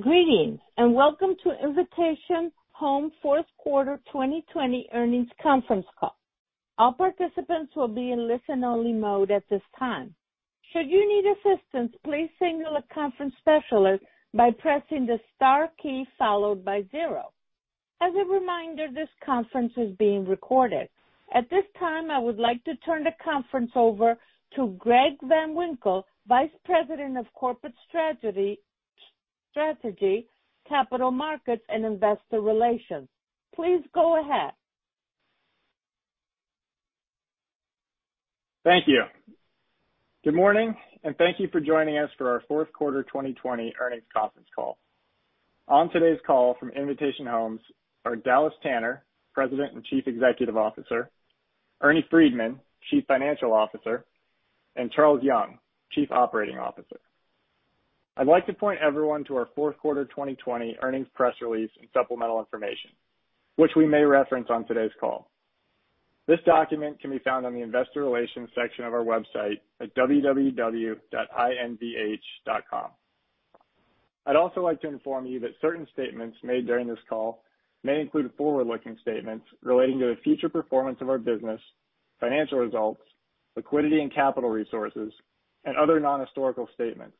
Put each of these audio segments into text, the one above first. Greetings, welcome to Invitation Homes fourth quarter 2020 earnings conference call. All participants will be in listen-only mode at this time. Should you need assistance, please signal a conference specialist by pressing the star key followed by zero. As a reminder, this conference is being recorded. At this time, I would like to turn the conference over to Greg Van Winkle, Vice President of Corporate Strategy, Capital Markets, and Investor Relations. Please go ahead. Thank you. Good morning, and thank you for joining us for our fourth quarter 2020 earnings conference call. On today's call from Invitation Homes are Dallas Tanner, President and Chief Executive Officer, Ernie Freedman, Chief Financial Officer, and Charles Young, Chief Operating Officer. I'd like to point everyone to our fourth quarter 2020 earnings press release and supplemental information, which we may reference on today's call. This document can be found on the investor relations section of our website at www.invh.com. I'd also like to inform you that certain statements made during this call may include forward-looking statements relating to the future performance of our business, financial results, liquidity and capital resources, and other non-historical statements,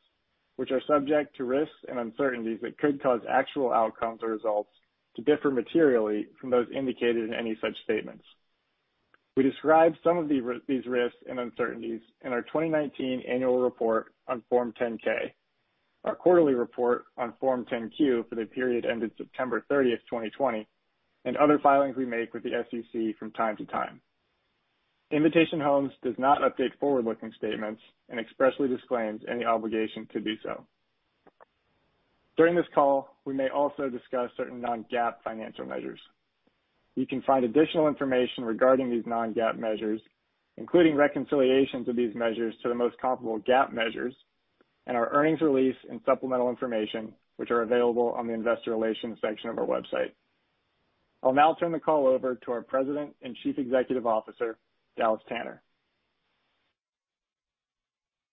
which are subject to risks and uncertainties that could cause actual outcomes or results to differ materially from those indicated in any such statements. We describe some of these risks and uncertainties in our 2019 annual report on Form 10-K, our quarterly report on Form 10-Q for the period ending September 30th, 2020, and other filings we make with the SEC from time to time. Invitation Homes does not update forward-looking statements and expressly disclaims any obligation to do so. During this call, we may also discuss certain non-GAAP financial measures. You can find additional information regarding these non-GAAP measures, including reconciliations of these measures to the most comparable GAAP measures in our earnings release and supplemental information, which are available on the investor relations section of our website. I'll now turn the call over to our President and Chief Executive Officer, Dallas Tanner.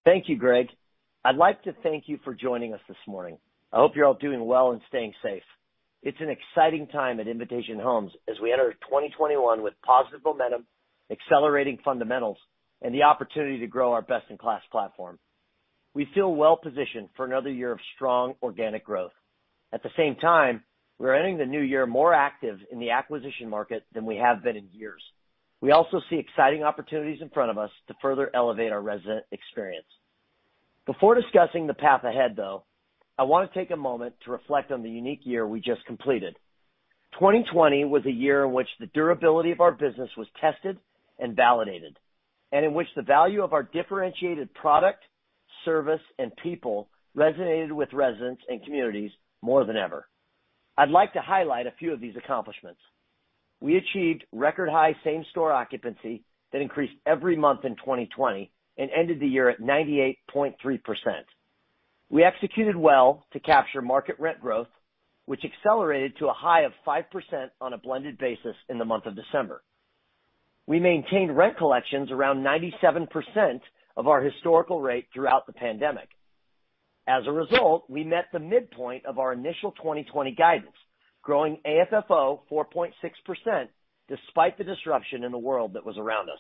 Thank you, Greg. I'd like to thank you for joining us this morning. I hope you're all doing well and staying safe. It's an exciting time at Invitation Homes as we enter 2021 with positive momentum, accelerating fundamentals, and the opportunity to grow our best-in-class platform. We feel well-positioned for another year of strong organic growth. At the same time, we're entering the new year more active in the acquisition market than we have been in years. We also see exciting opportunities in front of us to further elevate our resident experience. Before discussing the path ahead, though, I want to take a moment to reflect on the unique year we just completed. 2020 was a year in which the durability of our business was tested and validated, and in which the value of our differentiated product, service, and people resonated with residents and communities more than ever. I'd like to highlight a few of these accomplishments. We achieved record-high same-store occupancy that increased every month in 2020 and ended the year at 98.3%. We executed well to capture market rent growth, which accelerated to a high of 5% on a blended basis in the month of December. We maintained rent collections around 97% of our historical rate throughout the pandemic. As a result, we met the midpoint of our initial 2020 guidance, growing AFFO 4.6% despite the disruption in the world that was around us.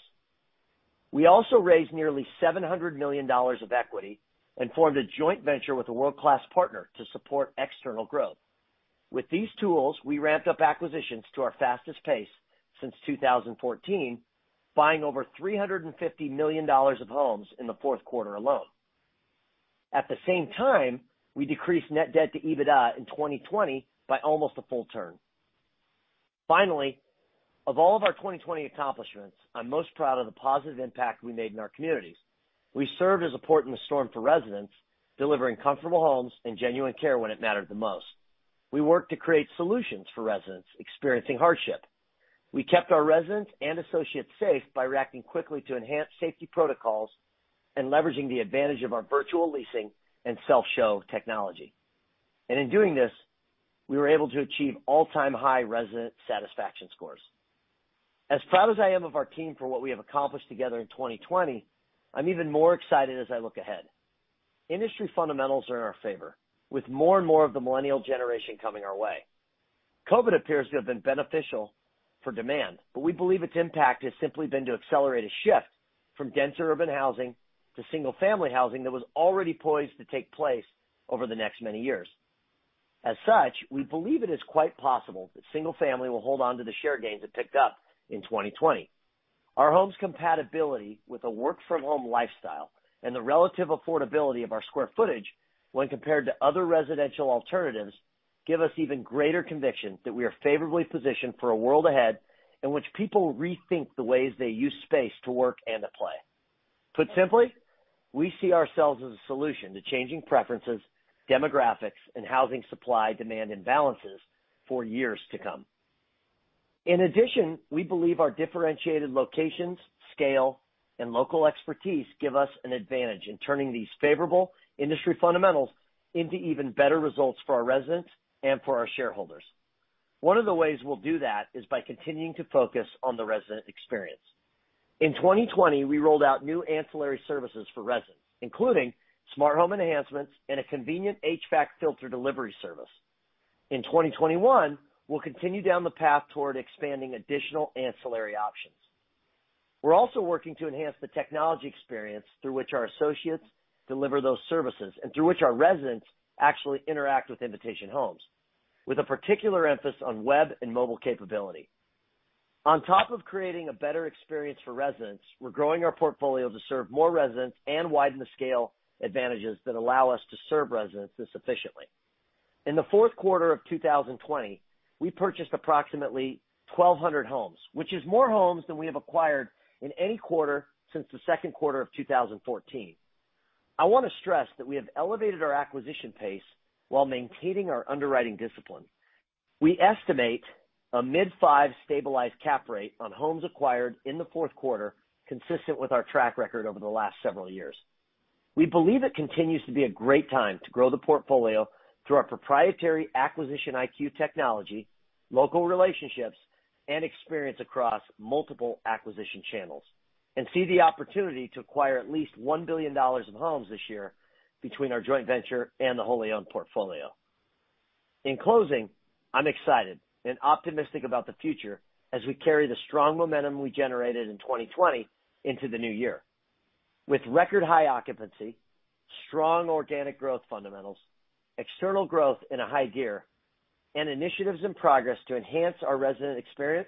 We also raised nearly $700 million of equity and formed a joint venture with a world-class partner to support external growth. With these tools, we ramped up acquisitions to our fastest pace since 2014, buying over $350 million of homes in the Q4 alone. At the same time, we decreased net debt to EBITDA in 2020 by almost a full turn. Of all of our 2020 accomplishments, I'm most proud of the positive impact we made in our communities. We served as a port in the storm for residents, delivering comfortable homes and genuine care when it mattered the most. We worked to create solutions for residents experiencing hardship. We kept our residents and associates safe by reacting quickly to enhance safety protocols and leveraging the advantage of our virtual leasing and self-show technology. In doing this, we were able to achieve all-time high resident satisfaction scores. As proud as I am of our team for what we have accomplished together in 2020, I'm even more excited as I look ahead. Industry fundamentals are in our favor, with more and more of the millennial generation coming our way. COVID appears to have been beneficial for demand, but we believe its impact has simply been to accelerate a shift from denser urban housing to single-family housing that was already poised to take place over the next many years. As such, we believe it is quite possible that single family will hold onto the share gains it picked up in 2020. Our homes' compatibility with a work-from-home lifestyle and the relative affordability of our square footage when compared to other residential alternatives give us even greater conviction that we are favorably positioned for a world ahead in which people rethink the ways they use space to work and to play. Put simply, we see ourselves as a solution to changing preferences, demographics, and housing supply-demand imbalances for years to come. In addition, we believe our differentiated locations, scale, and local expertise give us an advantage in turning these favorable industry fundamentals into even better results for our residents and for our shareholders. One of the ways we'll do that is by continuing to focus on the resident experience. In 2020, we rolled out new ancillary services for residents, including smart home enhancements and a convenient HVAC filter delivery service. In 2021, we'll continue down the path toward expanding additional ancillary options. We're also working to enhance the technology experience through which our associates deliver those services and through which our residents actually interact with Invitation Homes, with a particular emphasis on web and mobile capability. On top of creating a better experience for residents, we're growing our portfolio to serve more residents and widen the scale advantages that allow us to serve residents this efficiently. In the fourth quarter of 2020, we purchased approximately 1,200 homes, which is more homes than we have acquired in any quarter since the second quarter of 2014. I want to stress that we have elevated our acquisition pace while maintaining our underwriting discipline. We estimate a mid-five stabilized cap rate on homes acquired in the fourth quarter, consistent with our track record over the last several years. We believe it continues to be a great time to grow the portfolio through our proprietary AcquisitionIQ technology, local relationships, and experience across multiple acquisition channels, and see the opportunity to acquire at least $1 billion in homes this year between our joint venture and the wholly owned portfolio. In closing, I'm excited and optimistic about the future as we carry the strong momentum we generated in 2020 into the new year. With record-high occupancy, strong organic growth fundamentals, external growth in a high gear, and initiatives in progress to enhance our resident experience,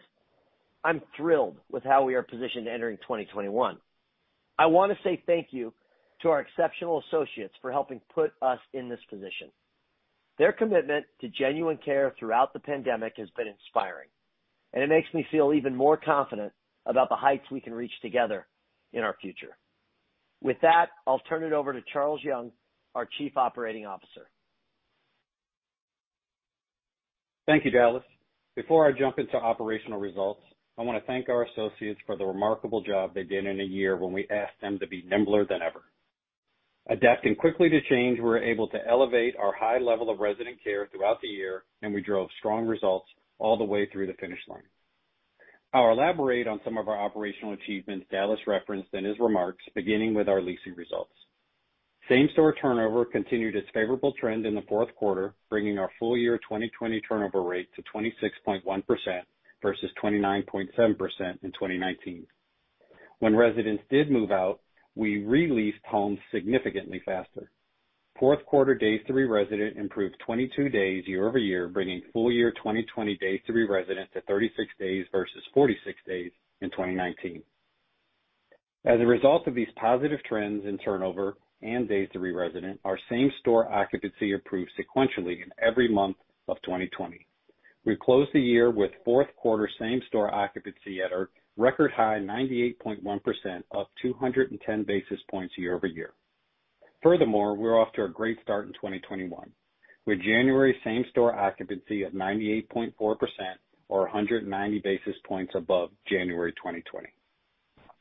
I'm thrilled with how we are positioned entering 2021. I want to say thank you to our exceptional associates for helping put us in this position. Their commitment to genuine care throughout the pandemic has been inspiring, and it makes me feel even more confident about the heights we can reach together in our future. With that, I'll turn it over to Charles Young, our Chief Operating Officer. Thank you, Dallas. Before I jump into operational results, I want to thank our associates for the remarkable job they did in a year when we asked them to be nimbler than ever. Adapting quickly to change, we were able to elevate our high level of resident care throughout the year, we drove strong results all the way through the finish line. I'll elaborate on some of our operational achievements Dallas referenced in his remarks, beginning with our leasing results. Same-store turnover continued its favorable trend in the fourth quarter, bringing our full year 2020 turnover rate to 26.1% versus 29.7% in 2019. When residents did move out, we re-leased homes significantly faster. Fourth quarter days to re-resident improved 22 days year-over-year, bringing full year 2020 days to re-resident to 36 days versus 46 days in 2019. As a result of these positive trends in turnover and days to re-resident, our same-store occupancy improved sequentially in every month of 2020. We closed the year with fourth quarter same-store occupancy at a record high 98.1%, up 210 basis points year-over-year. Furthermore, we're off to a great start in 2021 with January same-store occupancy of 98.4%, or 190 basis points above January 2020.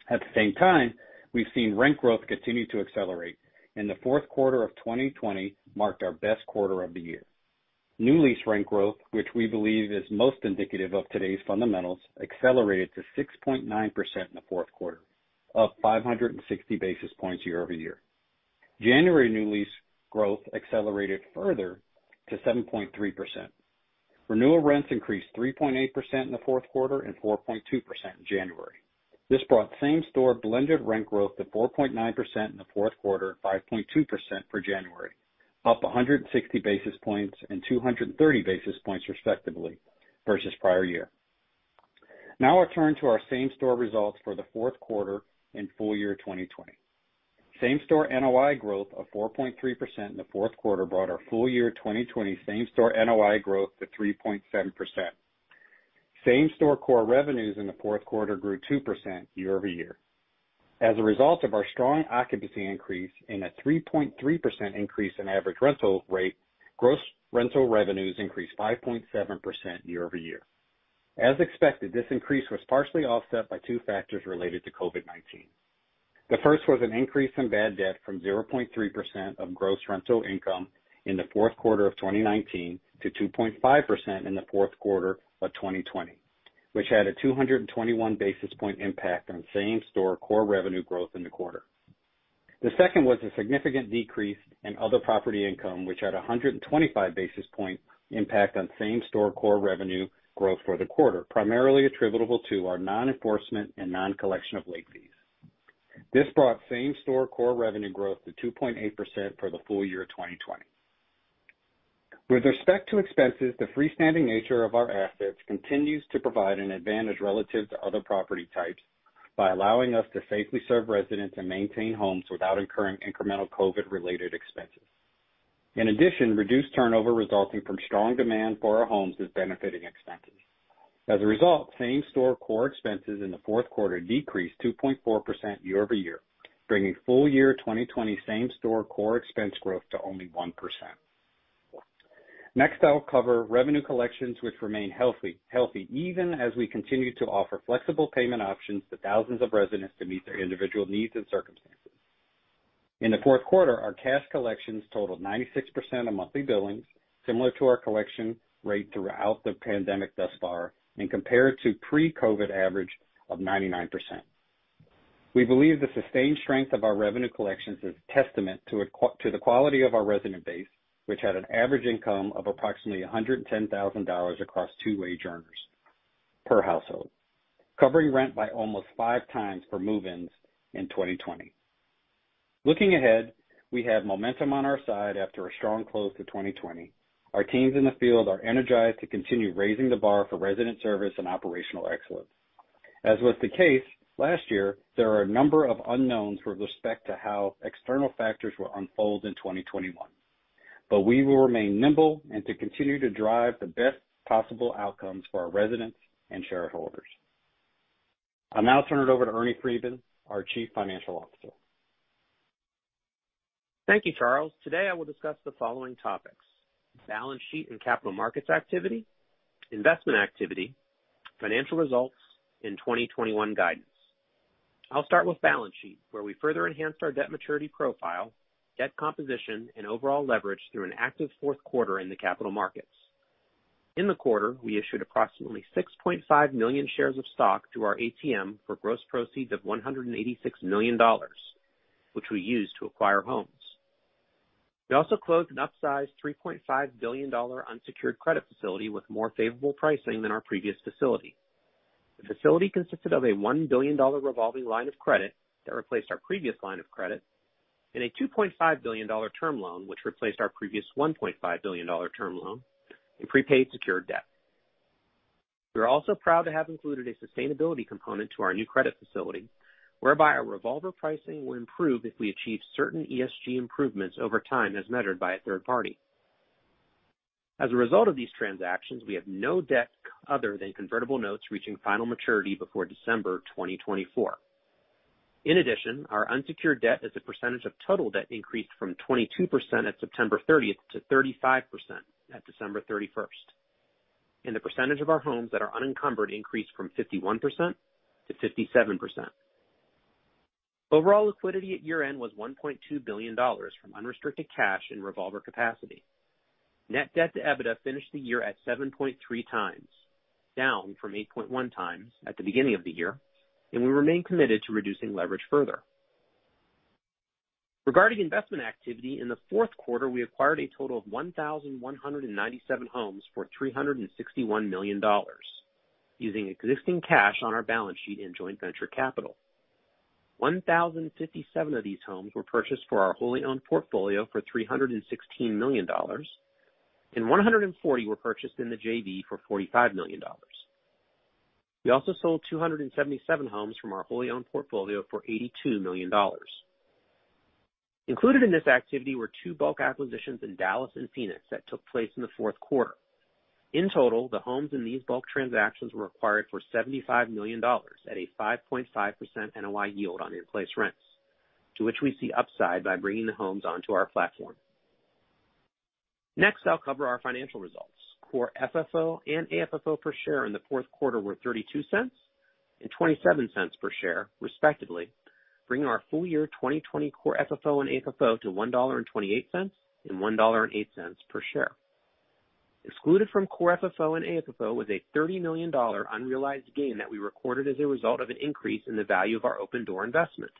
At the same time, we've seen rent growth continue to accelerate, and the fourth quarter of 2020 marked our best quarter of the year. New lease rent growth, which we believe is most indicative of today's fundamentals, accelerated to 6.9% in the fourth quarter, up 560 basis points year-over-year. January new lease growth accelerated further to 7.3%. Renewal rents increased 3.8% in the fourth quarter and 4.2% in January. This brought same-store blended rent growth to 4.9% in the fourth quarter, 5.2% for January, up 160 basis points and 230 basis points respectively versus prior year. I'll turn to our same-store results for the fourth quarter and full year 2020. Same-store NOI growth of 4.3% in the fourth quarter brought our full year 2020 same-store NOI growth to 3.7%. Same-store core revenues in the fourth quarter grew 2% year-over-year. As a result of our strong occupancy increase and a 3.3% increase in average rental rate, gross rental revenues increased 5.7% year-over-year. As expected, this increase was partially offset by two factors related to COVID-19. The first was an increase in bad debt from 0.3% of gross rental income in the fourth quarter of 2019 to 2.5% in the fourth quarter of 2020, which had a 221 basis point impact on same-store core revenue growth in the quarter. The second was a significant decrease in other property income, which had 125 basis point impact on same-store core revenue growth for the quarter, primarily attributable to our non-enforcement and non-collection of late fees. This brought same-store core revenue growth to 2.8% for the full year 2020. With respect to expenses, the freestanding nature of our assets continues to provide an advantage relative to other property types by allowing us to safely serve residents and maintain homes without incurring incremental COVID-related expenses. In addition, reduced turnover resulting from strong demand for our homes is benefiting expenses. As a result, same-store core expenses in the fourth quarter decreased 2.4% year-over-year, bringing full year 2020 same-store core expense growth to only 1%. Next, I'll cover revenue collections, which remain healthy even as we continue to offer flexible payment options to thousands of residents to meet their individual needs and circumstances. In the fourth quarter, our cash collections totaled 96% of monthly billings, similar to our collection rate throughout the pandemic thus far, and compared to pre-COVID average of 99%. We believe the sustained strength of our revenue collections is testament to the quality of our resident base, which had an average income of approximately $110,000 across two wage earners per household, covering rent by almost five times for move-ins in 2020. Looking ahead, we have momentum on our side after a strong close to 2020. Our teams in the field are energized to continue raising the bar for resident service and operational excellence. As was the case last year, there are a number of unknowns with respect to how external factors will unfold in 2021. We will remain nimble and to continue to drive the best possible outcomes for our residents and shareholders. I'll now turn it over to Ernie Freedman, our Chief Financial Officer. Thank you, Charles. Today I will discuss the following topics: balance sheet and capital markets activity, investment activity, financial results, and 2021 guidance. I'll start with balance sheet, where we further enhanced our debt maturity profile, debt composition, and overall leverage through an active fourth quarter in the capital markets. In the quarter, we issued approximately 6.5 million shares of stock to our ATM for gross proceeds of $186 million, which we used to acquire homes. We also closed an upsized $3.5 billion unsecured credit facility with more favorable pricing than our previous facility. The facility consisted of a $1 billion revolving line of credit that replaced our previous line of credit, and a $2.5 billion term loan, which replaced our previous $1.5 billion term loan in prepaid secured debt. We are also proud to have included a sustainability component to our new credit facility, whereby our revolver pricing will improve if we achieve certain ESG improvements over time, as measured by a third party. As a result of these transactions, we have no debt other than convertible notes reaching final maturity before December 2024. In addition, our unsecured debt as a percentage of total debt increased from 22% at September 30th to 35% at December 31st. The percentage of our homes that are unencumbered increased from 51% to 57%. Overall liquidity at year-end was $1.2 billion from unrestricted cash and revolver capacity. Net debt to EBITDA finished the year at 7.3x, down from 8.1x at the beginning of the year, and we remain committed to reducing leverage further. Regarding investment activity, in the fourth quarter, we acquired a total of 1,197 homes for $361 million using existing cash on our balance sheet in joint venture capital. 1,057 of these homes were purchased for our wholly owned portfolio for $316 million, and 140 were purchased in the JV for $45 million. We also sold 277 homes from our wholly owned portfolio for $82 million. Included in this activity were two bulk acquisitions in Dallas and Phoenix that took place in the fourth quarter. In total, the homes in these bulk transactions were acquired for $75 million at a 5.5% NOI yield on in-place rents, to which we see upside by bringing the homes onto our platform. Next, I'll cover our financial results. Core FFO and AFFO per share in the fourth quarter were $0.32 and $0.27 per share, respectively, bringing our full year 2020 core FFO and AFFO to $1.28 and $1.08 per share. Excluded from core FFO and AFFO was a $30 million unrealized gain that we recorded as a result of an increase in the value of our Opendoor investment.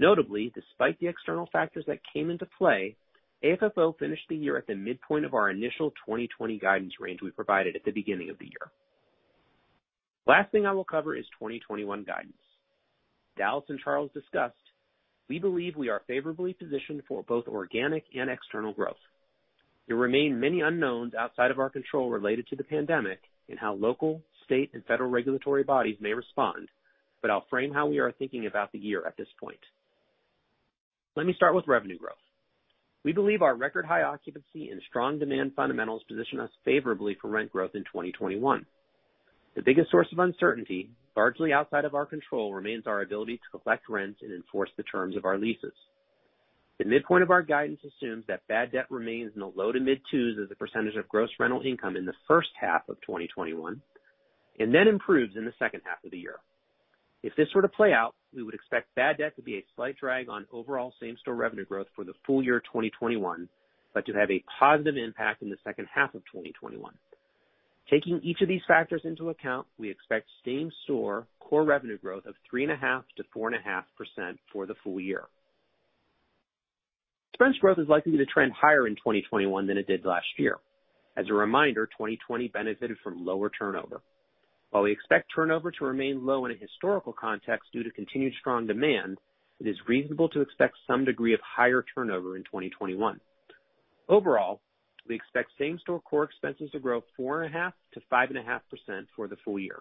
Notably, despite the external factors that came into play, AFFO finished the year at the midpoint of our initial 2020 guidance range we provided at the beginning of the year. Last thing I will cover is 2021 guidance. Dallas and Charles discussed we believe we are favorably positioned for both organic and external growth. There remain many unknowns outside of our control related to the pandemic and how local, state, and federal regulatory bodies may respond, I'll frame how we are thinking about the year at this point. Let me start with revenue growth. We believe our record-high occupancy and strong demand fundamentals position us favorably for rent growth in 2021. The biggest source of uncertainty, largely outside of our control, remains our ability to collect rents and enforce the terms of our leases. The midpoint of our guidance assumes that bad debt remains in the low to mid twos as a % of gross rental income in the first half of 2021, then improves in the second half of the year. If this were to play out, we would expect bad debt to be a slight drag on overall same-store revenue growth for the full year 2021, but to have a positive impact in the second half of 2021. Taking each of these factors into account, we expect same-store core revenue growth of 3.5%-4.5% for the full year. Expense growth is likely to trend higher in 2021 than it did last year. As a reminder, 2020 benefited from lower turnover. While we expect turnover to remain low in a historical context due to continued strong demand, it is reasonable to expect some degree of higher turnover in 2021. Overall, we expect same-store core expenses to grow 4.5%-5.5% for the full year.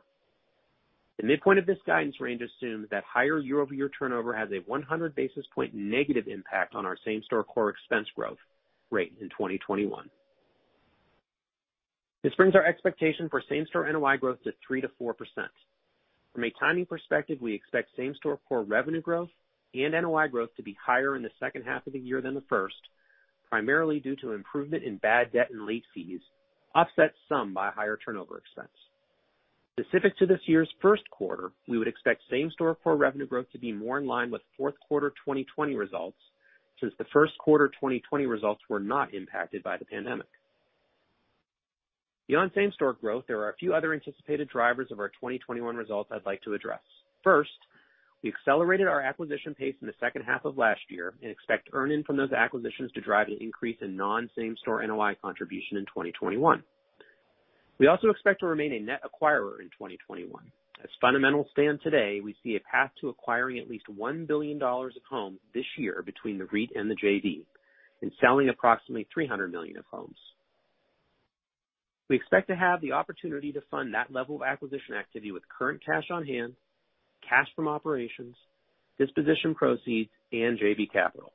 The midpoint of this guidance range assumes that higher year-over-over turnover has a 100 basis point negative impact on our same-store core expense growth rate in 2021. This brings our expectation for same-store NOI growth to 3%-4%. From a timing perspective, we expect same-store core revenue growth and NOI growth to be higher in the second half of the year than the first, primarily due to improvement in bad debt and late fees, offset some by higher turnover expense. Specific to this year's first quarter, we would expect same-store core revenue growth to be more in line with fourth quarter 2020 results, since the first quarter 2020 results were not impacted by the pandemic. Beyond same-store growth, there are a few other anticipated drivers of our 2021 results I'd like to address. First, we accelerated our acquisition pace in the second half of last year and expect earn-in from those acquisitions to drive an increase in non-same-store NOI contribution in 2021. We also expect to remain a net acquirer in 2021. As fundamentals stand today, we see a path to acquiring at least $1 billion of homes this year between the REIT and the JV and selling approximately $300 million of homes. We expect to have the opportunity to fund that level of acquisition activity with current cash on-hand, cash from operations, disposition proceeds, and JV capital.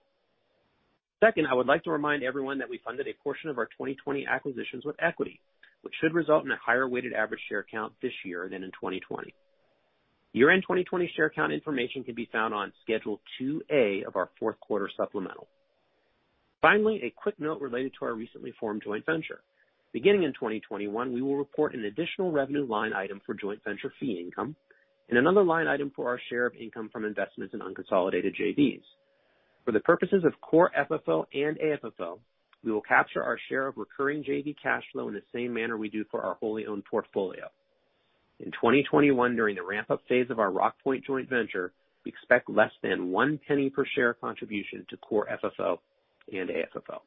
Second, I would like to remind everyone that we funded a portion of our 2020 acquisitions with equity, which should result in a higher weighted average share count this year than in 2020. Year-end 2020 share count information can be found on Schedule 2A of our fourth quarter supplemental. Finally, a quick note related to our recently formed joint venture. Beginning in 2021, we will report an additional revenue line item for joint venture fee income and another line item for our share of income from investments in unconsolidated JVs. For the purposes of core FFO and AFFO, we will capture our share of recurring JV cash flow in the same manner we do for our wholly owned portfolio. In 2021, during the ramp-up phase of our Rockpoint joint venture, we expect less than $0.01 per share contribution to core FFO and AFFO.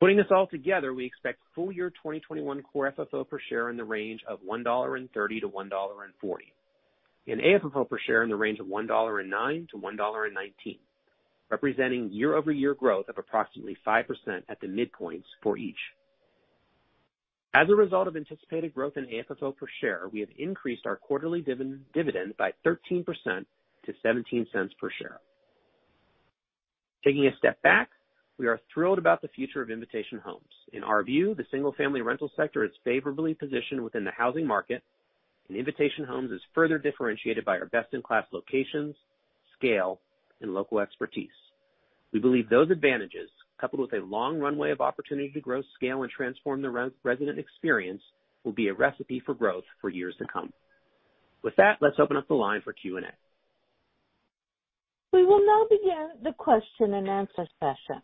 Putting this all together, we expect full-year 2021 core FFO per share in the range of $1.30-$1.40 and AFFO per share in the range of $1.09-$1.19, representing year-over-year growth of approximately 5% at the midpoints for each. As a result of anticipated growth in AFFO per share, we have increased our quarterly dividend by 13% to $0.17 per share. Taking a step back, we are thrilled about the future of Invitation Homes. In our view, the single-family rental sector is favorably positioned within the housing market, and Invitation Homes is further differentiated by our best-in-class locations, scale, and local expertise. We believe those advantages, coupled with a long runway of opportunity to grow, scale, and transform the resident experience, will be a recipe for growth for years to come. With that, let's open up the line for Q&A. We will now begin the question-and-answer session.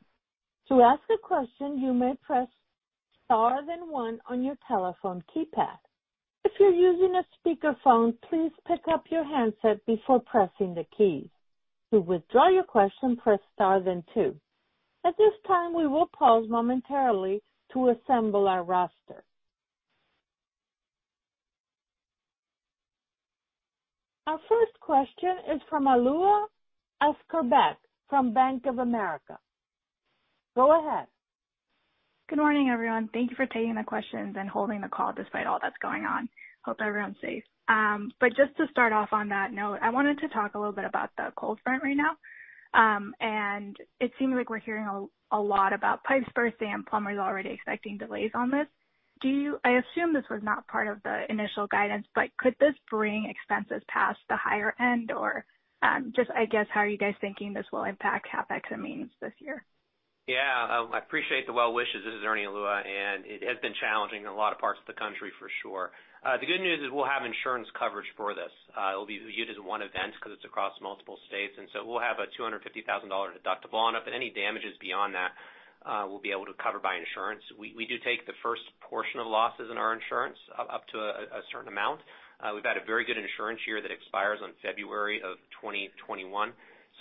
To ask a question, you may press star then one on your telephone keypad. If you're using a speakerphone, please pick up your handset before pressing the keys. To withdraw your question, press star then two. At this time, we will pause momentarily to assemble our roster. Our first question is from Alua Askarbek from Bank of America. Go ahead. Good morning, everyone. Thank you for taking the questions and holding the call despite all that's going on. Hope everyone's safe. Just to start off on that note, I wanted to talk a little bit about the cold front right now. It seems like we're hearing a lot about pipes bursting and plumbers already expecting delays on this. I assume this was not part of the initial guidance, but could this bring expenses past the higher end? Or just, I guess, how are you guys thinking this will impact CapEx and maintenance this year? Yeah. I appreciate the well wishes. This is Ernie, Alua, and it has been challenging in a lot of parts of the country for sure. The good news is we'll have insurance coverage for this. It'll be viewed as one event because it's across multiple states. We'll have a $250,000 deductible, and if any damage is beyond that, we'll be able to cover by insurance. We do take the first portion of losses in our insurance up to a certain amount. We've had a very good insurance year that expires on February of 2021.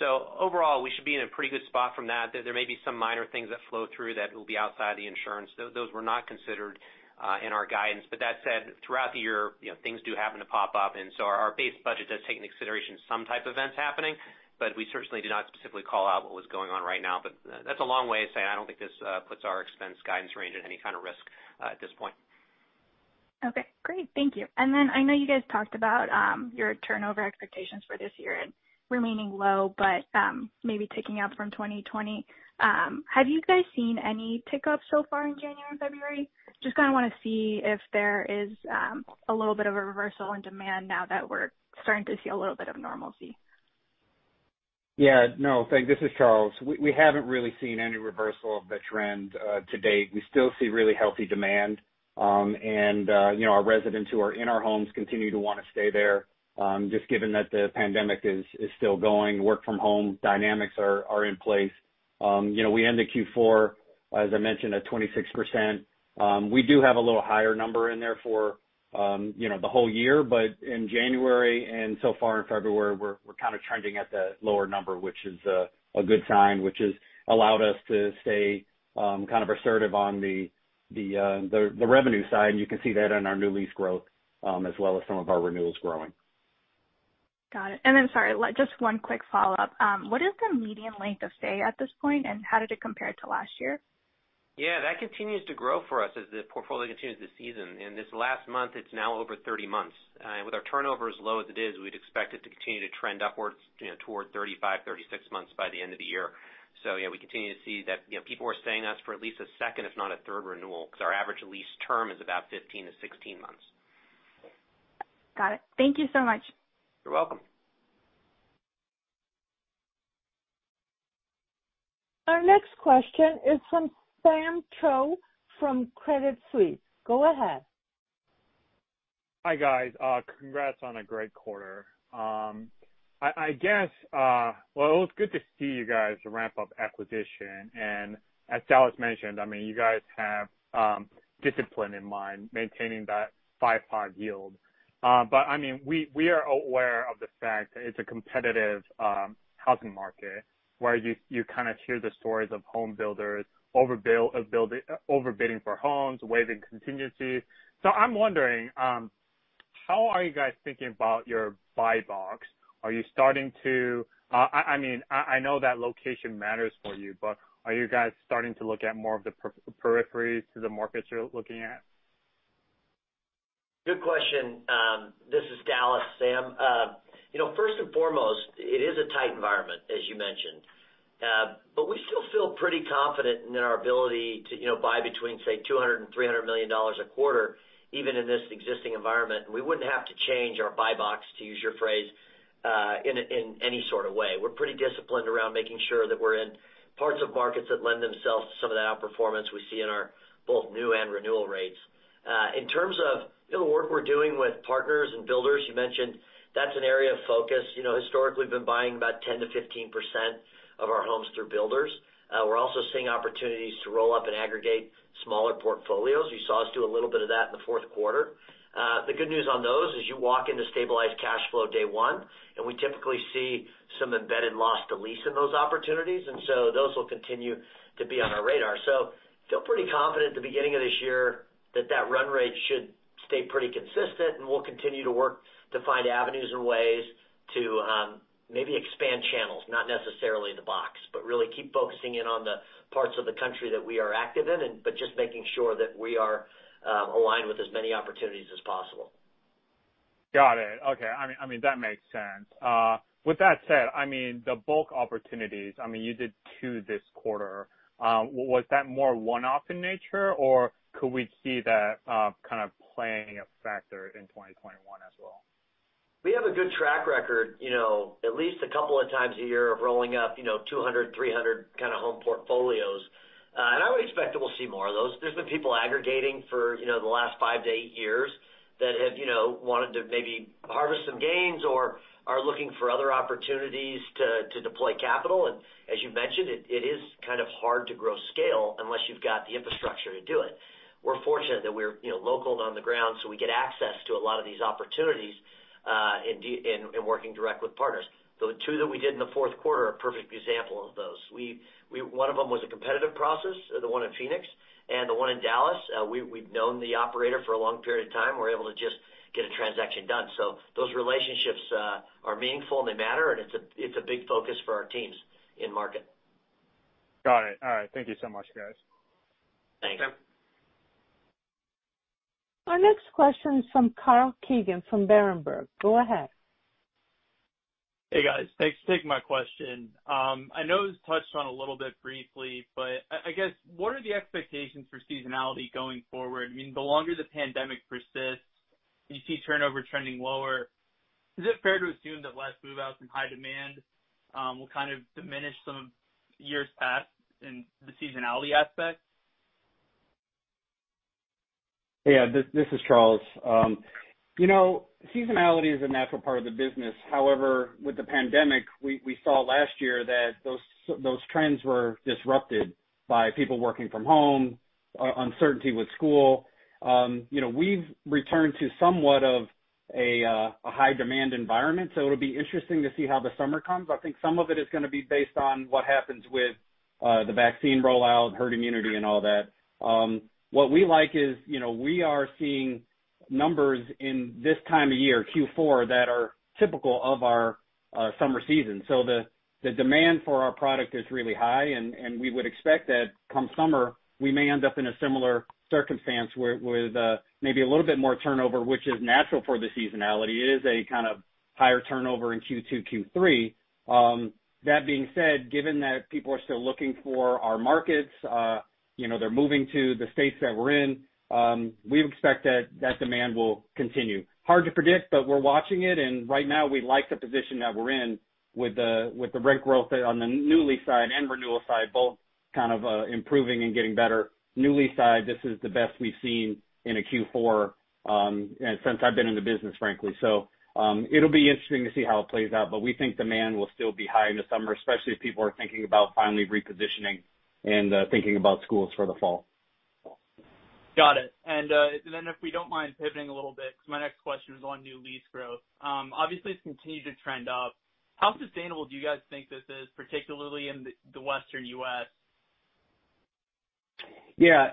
Overall, we should be in a pretty good spot from that. There may be some minor things that flow through that will be outside the insurance. Those were not considered in our guidance. That said, throughout the year, things do happen to pop up, and so our base budget does take into consideration some type of events happening. We certainly did not specifically call out what was going on right now. That's a long way of saying I don't think this puts our expense guidance range at any kind of risk at this point. Okay, great. Thank you. I know you guys talked about your turnover expectations for this year remaining low, but maybe ticking up from 2020. Have you guys seen any tick-up so far in January and February? Just kind of want to see if there is a little bit of a reversal in demand now that we're starting to see a little bit of normalcy. Yeah. No, thank you. This is Charles. We haven't really seen any reversal of the trend to date. We still see really healthy demand. Our residents who are in our homes continue to want to stay there. Just given that the pandemic is still going, work-from-home dynamics are in place. We ended Q4, as I mentioned, at 26%. We do have a little higher number in there for the whole year. In January and so far in February, we're kind of trending at the lower number, which is a good sign, which has allowed us to stay kind of assertive on the revenue side. You can see that in our new lease growth as well as some of our renewals growing. Sorry, just one quick follow-up. What is the median length of stay at this point, and how did it compare to last year? That continues to grow for us as the portfolio continues to season. In this last month, it's now over 30 months. With our turnover as low as it is, we'd expect it to continue to trend upwards toward 35, 36 months by the end of the year. We continue to see that people are staying with us for at least a second, if not a third renewal, because our average lease term is about 15 months-16 months. Got it. Thank you so much. You're welcome. Our next question is from Sam Choe from Credit Suisse. Go ahead. Hi, guys. Congrats on a great quarter. Well, it's good to see you guys ramp up acquisition, and as Dallas mentioned, you guys have discipline in mind maintaining that five-part yield. We are aware of the fact it's a competitive housing market where you kind of hear the stories of home builders overbidding for homes, waiving contingencies. I'm wondering, how are you guys thinking about your buy box? I know that location matters for you, but are you guys starting to look at more of the peripheries to the markets you're looking at? Good question. This is Dallas, Sam. First and foremost, it is a tight environment, as you mentioned. We still feel pretty confident in our ability to buy between, say, $200 million-$300 million a quarter, even in this existing environment. We wouldn't have to change our buy box, to use your phrase, in any sort of way. We're pretty disciplined around making sure that we're in parts of markets that lend themselves to some of that outperformance we see in our both new and renewal rates. In terms of the work we're doing with partners and builders, you mentioned that's an area of focus. Historically, we've been buying about 10%-15% of our homes through builders. We're also seeing opportunities to roll up and aggregate smaller portfolios. You saw us do a little bit of that in the fourth quarter. The good news on those is you walk into stabilized cash flow day one, and we typically see some embedded loss to lease in those opportunities, and so those will continue to be on our radar. Feel pretty confident at the beginning of this year that that run rate should stay pretty consistent, and we'll continue to work to find avenues and ways to maybe expand channels, not necessarily the box, but really keep focusing in on the parts of the country that we are active in, but just making sure that we are aligned with as many opportunities as possible. Got it. Okay. That makes sense. With that said, the bulk opportunities, you did two this quarter. Was that more one-off in nature, or could we see that kind of playing a factor in 2021 as well? We have a good track record, at least a couple of times a year, of rolling up 200, 300 kind of home portfolios. I would expect that we'll see more of those. There's been people aggregating for the last five to eight years that have wanted to maybe harvest some gains or are looking for other opportunities to deploy capital. As you mentioned, it is kind of hard to grow scale unless you've got the infrastructure to do it. We're fortunate that we're local and on the ground, we get access to a lot of these opportunities in working direct with partners. The two that we did in the fourth quarter are a perfect example of those. One of them was a competitive process, the one in Phoenix. The one in Dallas, we've known the operator for a long period of time. We're able to just get a transaction done. Those relationships are meaningful, and they matter, and it's a big focus for our teams in market. Got it. All right. Thank you so much, guys. Thanks. Our next question is from Carl Keegan from Berenberg. Go ahead. Hey, guys. Thanks for taking my question. I know it was touched on a little bit briefly, I guess, what are the expectations for seasonality going forward? The longer the pandemic persists, you see turnover trending lower. Is it fair to assume that less move-outs and high demand will kind of diminish some of years past in the seasonality aspect? Yeah. This is Charles. Seasonality is a natural part of the business. With the pandemic, we saw last year that those trends were disrupted by people working from home, uncertainty with school. We've returned to somewhat of a high-demand environment, it'll be interesting to see how the summer comes. I think some of it is going to be based on what happens with the vaccine rollout, herd immunity, and all that. What we like is we are seeing numbers in this time of year, Q4, that are typical of our summer season. The demand for our product is really high, and we would expect that come summer, we may end up in a similar circumstance where with maybe a little bit more turnover, which is natural for the seasonality. It is a kind of higher turnover in Q2, Q3. That being said, given that people are still looking for our markets, they're moving to the states that we're in, we expect that that demand will continue. Hard to predict, but we're watching it, and right now, we like the position that we're in with the rent growth on the new lease side and renewal side both kind of improving and getting better. New lease side, this is the best we've seen in a Q4 since I've been in the business, frankly. It'll be interesting to see how it plays out, but we think demand will still be high in the summer, especially if people are thinking about finally repositioning and thinking about schools for the fall. Got it. If we don't mind pivoting a little bit, because my next question is on new lease growth. Obviously, it's continued to trend up. How sustainable do you guys think this is, particularly in the Western U.S.? Yeah.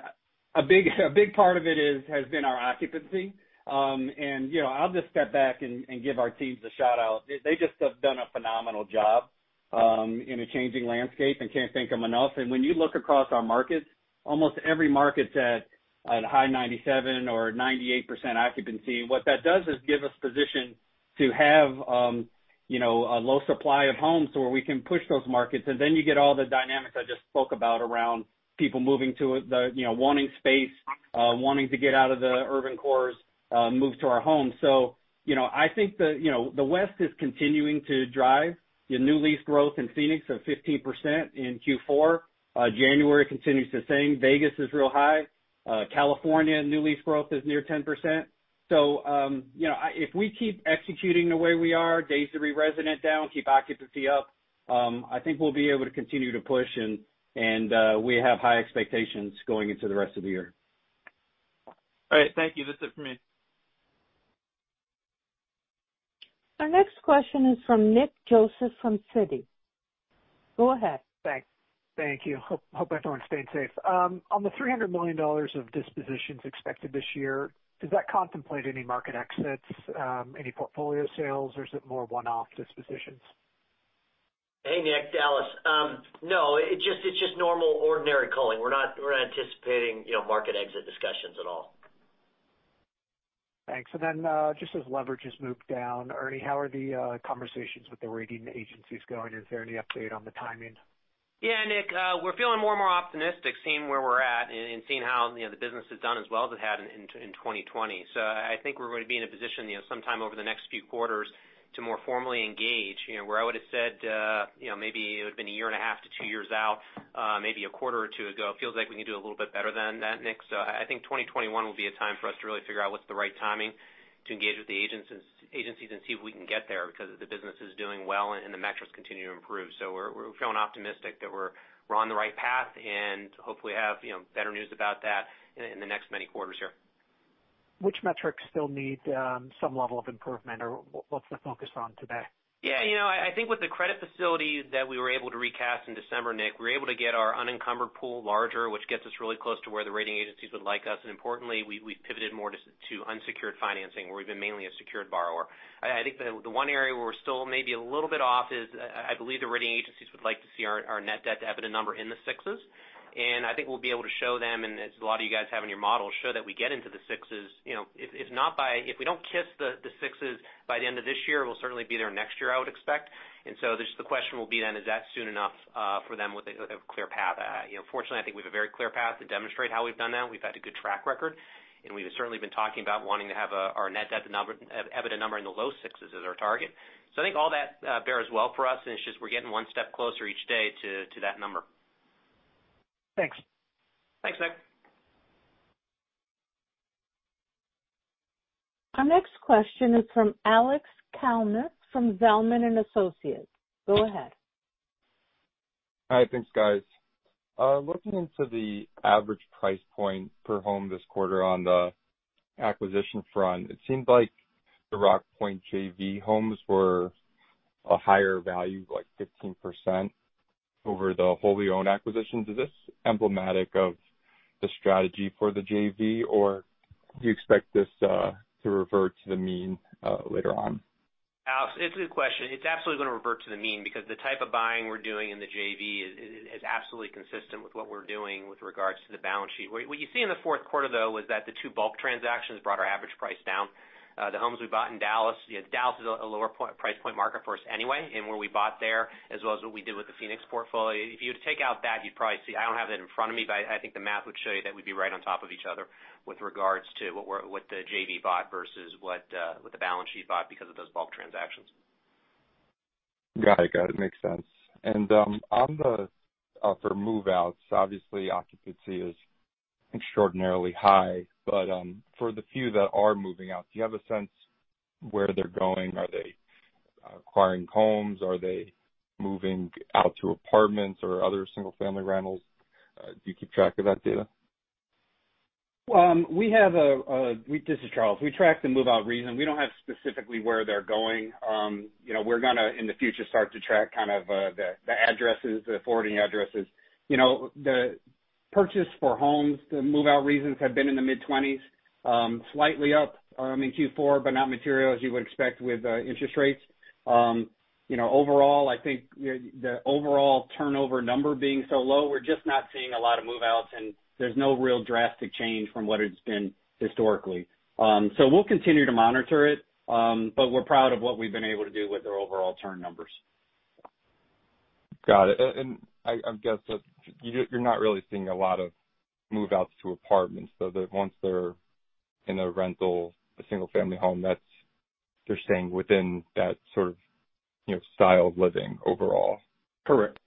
A big part of it has been our occupancy. I'll just step back and give our teams a shout-out. They just have done a phenomenal job in a changing landscape and can't thank them enough. When you look across our markets, almost every market's at a high 97% or 98% occupancy. What that does is give us position to have a low supply of homes to where we can push those markets. Then you get all the dynamics I just spoke about around people wanting space, wanting to get out of the urban cores, move to our homes. I think the West is continuing to drive. New lease growth in Phoenix of 15% in Q4. January continues the same. Vegas is real high. California new lease growth is near 10%. If we keep executing the way we are, days to re-resident down, keep occupancy up, I think we'll be able to continue to push, and we have high expectations going into the rest of the year. All right. Thank you. That's it for me. Our next question is from Nick Joseph from Citi. Go ahead. Thanks. Thank you. Hope everyone's staying safe. On the $300 million of dispositions expected this year, does that contemplate any market exits, any portfolio sales, or is it more one-off dispositions? Hey, Nick. Dallas. No, it's just normal, ordinary culling. We're not anticipating market exit discussions at all. Thanks. Just as leverage has moved down, Ernie, how are the conversations with the rating agencies going? Is there any update on the timing? Yeah, Nick, we're feeling more and more optimistic seeing where we're at and seeing how the business has done as well as it had in 2020. I think we're going to be in a position sometime over the next few quarters to more formally engage. Where I would've said maybe it would've been a year and a half to two years out maybe a quarter or two ago, it feels like we can do a little bit better than that, Nick. I think 2021 will be a time for us to really figure out what's the right timing to engage with the agencies and see if we can get there, because the business is doing well and the metrics continue to improve. We're feeling optimistic that we're on the right path and hopefully have better news about that in the next many quarters here. Which metrics still need some level of improvement, or what's the focus on today? I think with the credit facilities that we were able to recast in December, Nick, we were able to get our unencumbered pool larger, which gets us really close to where the rating agencies would like us. Importantly, we've pivoted more to unsecured financing, where we've been mainly a secured borrower. I think the one area where we're still maybe a little bit off is I believe the rating agencies would like to see our net debt to EBITDA number in the 6s. I think we'll be able to show them, and as a lot of you guys have in your models, show that we get into the 6s. If we don't kiss the 6s by the end of this year, we'll certainly be there next year, I would expect. The question will be then, is that soon enough for them with a clear path? Fortunately, I think we have a very clear path to demonstrate how we've done that. We've had a good track record, and we've certainly been talking about wanting to have our net debt to EBITDA number in the low sixes as our target. I think all that bears well for us, and it's just we're getting one step closer each day to that number. Thanks. Thanks, Nick. Our next question is from Alex Kalmus from Zelman & Associates. Go ahead. Hi. Thanks, guys. Looking into the average price point per home this quarter on the acquisition front, it seemed like the Rockpoint JV homes were a higher value, like 15%, over the wholly owned acquisitions. Is this emblematic of the strategy for the JV, or do you expect this to revert to the mean later on? Alex, it's a good question. It's absolutely going to revert to the mean because the type of buying we're doing in the JV is absolutely consistent with what we're doing with regards to the balance sheet. What you see in the fourth quarter, though, was that the two bulk transactions brought our average price down. The homes we bought in Dallas is a lower price point market for us anyway, and where we bought there as well as what we did with the Phoenix portfolio. If you were to take out that, you'd probably see, I don't have that in front of me, but I think the math would show you that we'd be right on top of each other with regards to what the JV bought versus what the balance sheet bought because of those bulk transactions. Got it. Makes sense. For move-outs, obviously occupancy is extraordinarily high. For the few that are moving out, do you have a sense where they're going? Are they acquiring homes? Are they moving out to apartments or other single-family rentals? Do you keep track of that data? This is Charles. We track the move-out reason. We don't have specifically where they're going. We're going to, in the future, start to track kind of the forwarding addresses. The purchase for homes, the move-out reasons have been in the mid-20s. Slightly up in Q4, not material as you would expect with interest rates. I think the overall turnover number being so low, we're just not seeing a lot of move-outs, and there's no real drastic change from what it's been historically. We'll continue to monitor it, but we're proud of what we've been able to do with our overall turn numbers. Got it. I guess you're not really seeing a lot of move-outs to apartments. That once they're in a rental, a single-family home, they're staying within that sort of style of living overall. Correct.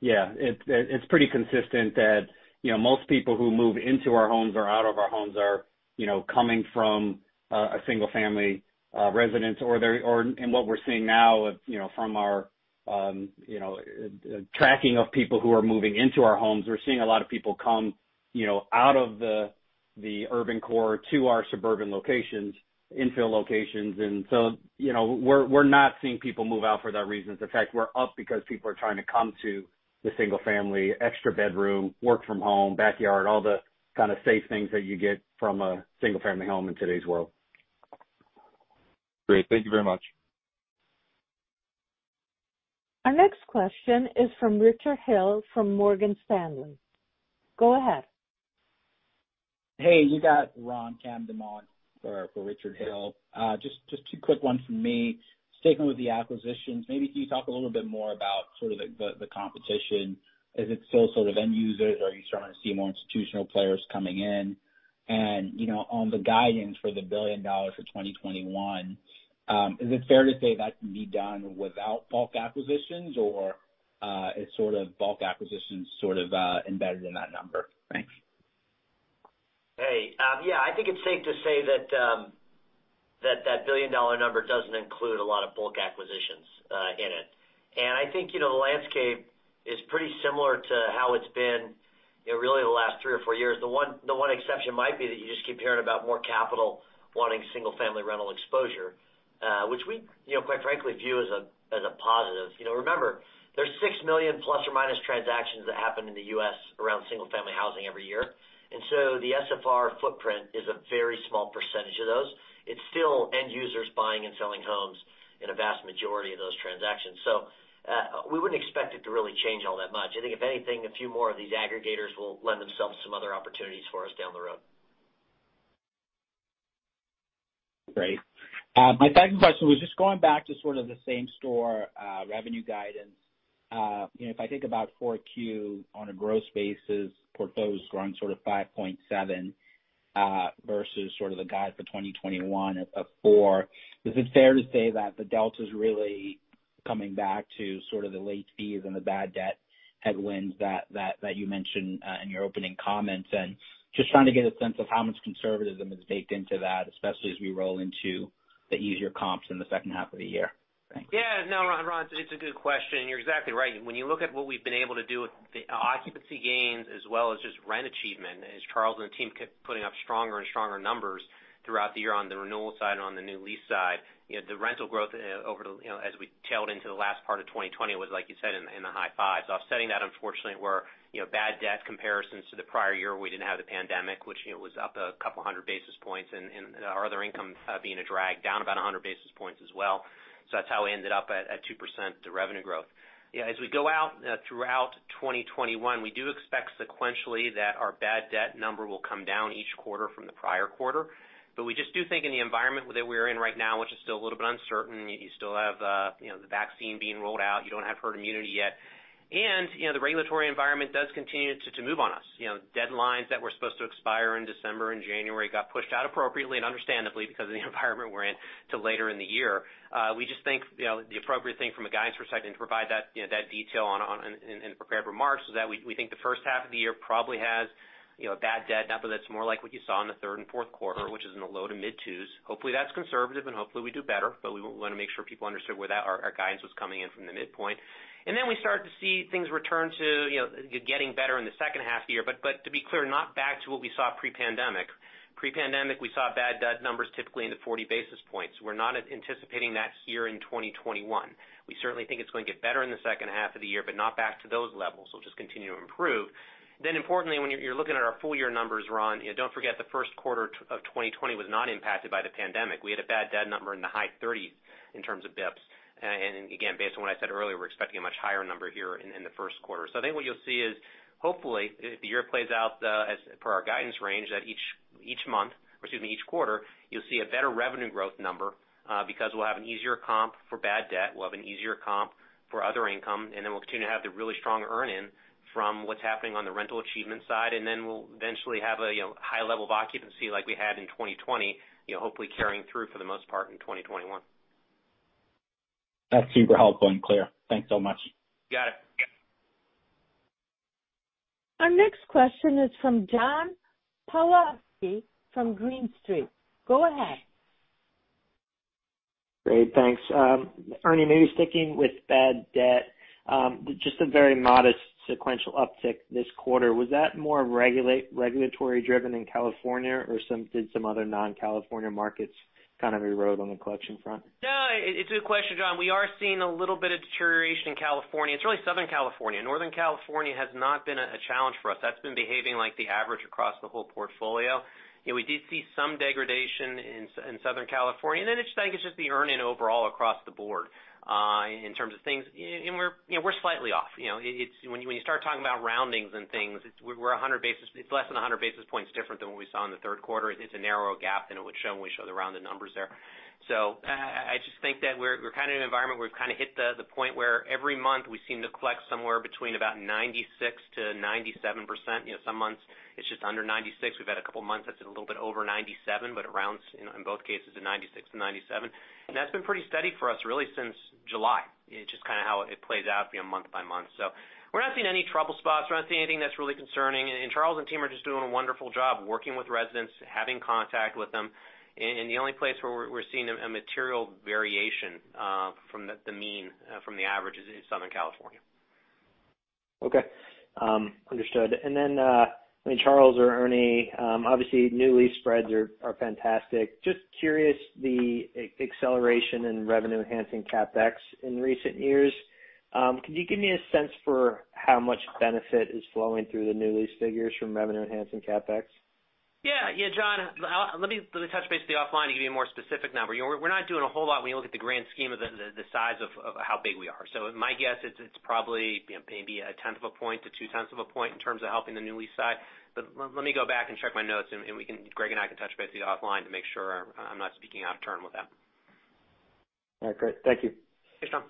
Yeah. It's pretty consistent that most people who move into our homes or out of our homes are coming from a single-family residence. What we're seeing now from our tracking of people who are moving into our homes, we're seeing a lot of people come out of the urban core to our suburban locations, infill locations. So we're not seeing people move out for that reason. In fact, we're up because people are trying to come to the single-family, extra bedroom, work from home, backyard, all the kind of safe things that you get from a single-family home in today's world. Great. Thank you very much. Our next question is from Richard Hill, from Morgan Stanley. Go ahead. Hey, you got Ron Kamdem on for Richard Hill. Just two quick ones from me. Sticking with the acquisitions, maybe can you talk a little bit more about sort of the competition. Is it still sort of end users? Are you starting to see more institutional players coming in? On the guidance for the $1 billion for 2021, is it fair to say that can be done without bulk acquisitions or is bulk acquisitions sort of embedded in that number? Thanks. Hey. Yeah, I think it's safe to say that billion-dollar number doesn't include a lot of bulk acquisitions in it. I think the landscape is pretty similar to how it's been really the last three or four years. The one exception might be that you just keep hearing about more capital wanting single-family rental exposure, which we quite frankly view as a positive. Remember, there's 6 million ± transactions that happen in the U.S. around single-family housing every year, and so the SFR footprint is a very small percentage of those. It's still end users buying and selling homes in a vast majority of those transactions. We wouldn't expect it to really change all that much. I think if anything, a few more of these aggregators will lend themselves some other opportunities for us down the road. Great. My second question was just going back to sort of the same-store revenue guidance. If I think about Q4 on a gross basis, portfolios growing sort of 5.7%, versus sort of the guide for 2021 at 4%. Is it fair to say that the delta's really coming back to sort of the late fees and the bad debt headwinds that you mentioned in your opening comments, and just trying to get a sense of how much conservatism is baked into that, especially as we roll into the easier comps in the second half of the year? Thanks. No, Ron, it's a good question, and you're exactly right. When you look at what we've been able to do with the occupancy gains as well as just rent achievement, as Charles and the team keep putting up stronger and stronger numbers throughout the year on the renewal side and on the new lease side. The rental growth as we tailed into the last part of 2020 was, like you said, in the high fives. Offsetting that, unfortunately, were bad debt comparisons to the prior year where we didn't have the pandemic, which was up a couple hundred basis points, and our other income being a drag down about 100 basis points as well. That's how we ended up at 2% the revenue growth. As we go out throughout 2021, we do expect sequentially that our bad debt number will come down each quarter from the prior quarter. We just do think in the environment that we are in right now, which is still a little bit uncertain. You still have the vaccine being rolled out. You don't have herd immunity yet. The regulatory environment does continue to move on us. Deadlines that were supposed to expire in December and January got pushed out appropriately, and understandably, because of the environment we're in till later in the year. We just think, the appropriate thing from a guidance perspective and to provide that detail in prepared remarks is that we think the first half of the year probably has a bad debt number that's more like what you saw in the third and fourth quarter, which is in the low to mid twos. Hopefully, that's conservative, and hopefully we do better, but we want to make sure people understood where our guidance was coming in from the midpoint. Then we start to see things return to getting better in the second half of the year, but to be clear, not back to what we saw pre-pandemic. Pre-pandemic, we saw bad debt numbers typically in the 40 basis points. We're not anticipating that here in 2021. We certainly think it's going to get better in the second half of the year, but not back to those levels. It'll just continue to improve. Then importantly, when you're looking at our full year numbers, Ron, don't forget, the first quarter of 2020 was not impacted by the pandemic. We had a bad debt number in the high 30s in terms of bips. Again, based on what I said earlier, we're expecting a much higher number here in the first quarter. I think what you'll see is, hopefully, if the year plays out per our guidance range, that each month, or excuse me, each quarter, you'll see a better revenue growth number, because we'll have an easier comp for bad debt. We'll have an easier comp for other income, and then we'll continue to have the really strong earn-in from what's happening on the rental achievement side, and then we'll eventually have a high level of occupancy like we had in 2020, hopefully carrying through for the most part in 2021. That's super helpful and clear. Thanks so much. You got it. Our next question is from John Pawlowski from Green Street. Go ahead. Great. Thanks. Ernie, maybe sticking with bad debt, just a very modest sequential uptick this quarter. Was that more regulatory driven in California, or did some other non-California markets kind of erode on the collection front? No, it's a good question, John. We are seeing a little bit of deterioration in California. It's really Southern California. Northern California has not been a challenge for us. That's been behaving like the average across the whole portfolio. We did see some degradation in Southern California, and then it's like it's just the earn-in overall across the board in terms of things. We're slightly off. When you start talking about roundings and things, it's less than 100 basis points different than what we saw in the third quarter. It's a narrower gap than it would show when we show the rounded numbers there. I just think that we're kind of in an environment where we've kind of hit the point where every month we seem to collect somewhere between about 96%-97%. Some months it's just under 96%. We've had a couple of months that's a little bit over 97%, but it rounds in both cases to 96% and 97%. That's been pretty steady for us, really since July. It's just kind of how it plays out month by month. We're not seeing any trouble spots. We're not seeing anything that's really concerning. Charles and team are just doing a wonderful job working with residents, having contact with them. The only place where we're seeing a material variation from the mean, from the average, is in Southern California. Okay. Understood. Then, Charles or Ernie, obviously new lease spreads are fantastic. Just curious, the acceleration in revenue enhancing CapEx in recent years. Can you give me a sense for how much benefit is flowing through the new lease figures from revenue enhancing CapEx? John, let me touch base with you offline to give you a more specific number. We're not doing a whole lot when you look at the grand scheme of the size of how big we are. My guess, it's probably maybe 0.1 of a point to 0.2 of a point in terms of helping the new lease side. Let me go back and check my notes, and Greg and I can touch base with you offline to make sure I'm not speaking out of turn with that. All right, great. Thank you. Sure.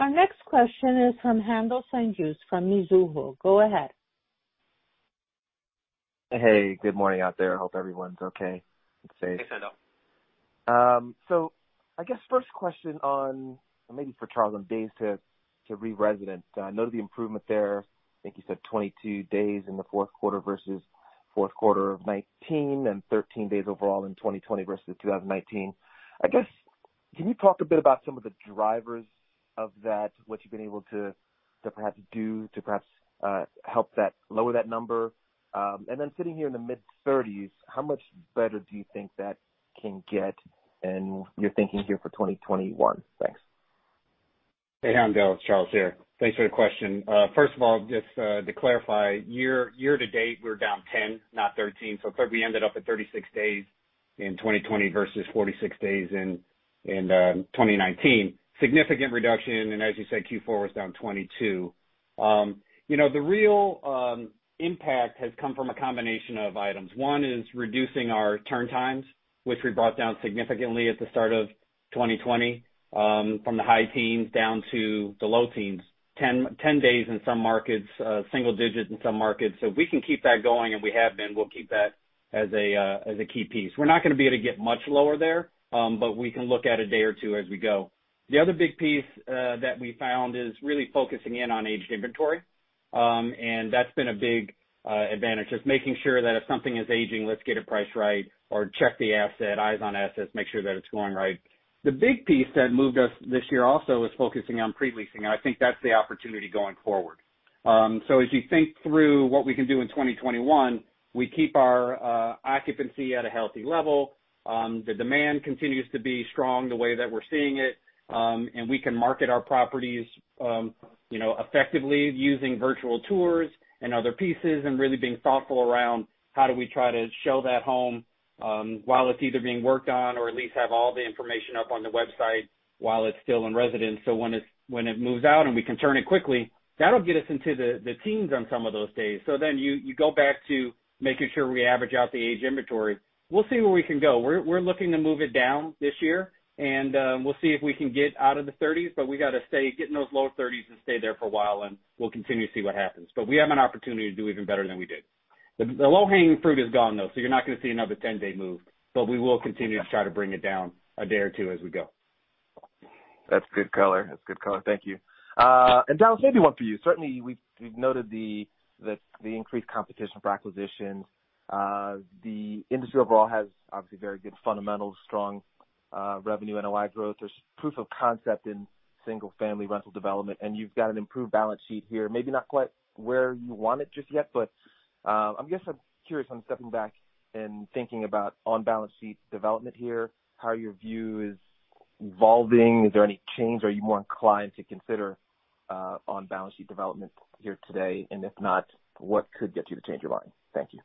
Our next question is from Haendel St. Juste from Mizuho. Go ahead. Hey. Good morning out there. I hope everyone's okay and safe. Hey, Haendel. I guess first question on, maybe for Charles, on days to re-resident. I know the improvement there. I think you said 22 days in the fourth quarter versus fourth quarter of 2019, and 13 days overall in 2020 versus 2019. I guess, can you talk a bit about some of the drivers of that, what you've been able to perhaps do to perhaps help lower that number? And then sitting here in the mid-30s, how much better do you think that can get, and your thinking here for 2021? Thanks. Hey, Haendel. It's Charles here. Thanks for the question. First of all, just to clarify, year-to-date, we're down 10, not 13. We ended up at 36 days in 2020 versus 46 days in 2019. Significant reduction, and as you said, Q4 was down 22. The real impact has come from a combination of items. One is reducing our turn times, which we brought down significantly at the start of 2020, from the high teens down to the low teens. 10 days in some markets, single digit in some markets. If we can keep that going, and we have been, we'll keep that as a key piece. We're not going to be able to get much lower there, but we can look at a day or two as we go. The other big piece that we found is really focusing in on aged inventory, and that's been a big advantage, just making sure that if something is aging, let's get it priced right or check the asset, eyes on assets, make sure that it's going right. The big piece that moved us this year also is focusing on pre-leasing, and I think that's the opportunity going forward. As you think through what we can do in 2021, we keep our occupancy at a healthy level. The demand continues to be strong the way that we're seeing it, and we can market our properties effectively using virtual tours and other pieces, and really being thoughtful around how do we try to show that home while it's either being worked on or at least have all the information up on the website while it's still in residence. When it moves out and we can turn it quickly, that'll get us into the teens on some of those days. Then you go back to making sure we average out the age inventory. We'll see where we can go. We're looking to move it down this year, and we'll see if we can get out of the 30s, but we got to get in those low 30s and stay there for a while, and we'll continue to see what happens. We have an opportunity to do even better than we did. The low-hanging fruit is gone, though, so you're not going to see another 10-day move, but we will continue to try to bring it down a day or two as we go. That's good color. Thank you. Dallas, maybe one for you. Certainly, we've noted the increased competition for acquisitions. The industry overall has obviously very good fundamentals, strong revenue NOI growth. There's proof of concept in single-family rental development, and you've got an improved balance sheet here, maybe not quite where you want it just yet. I guess I'm curious on stepping back and thinking about on-balance sheet development here, how your view is evolving. Is there any change? Are you more inclined to consider on-balance sheet development here today? If not, what could get you to change your mind? Thank you.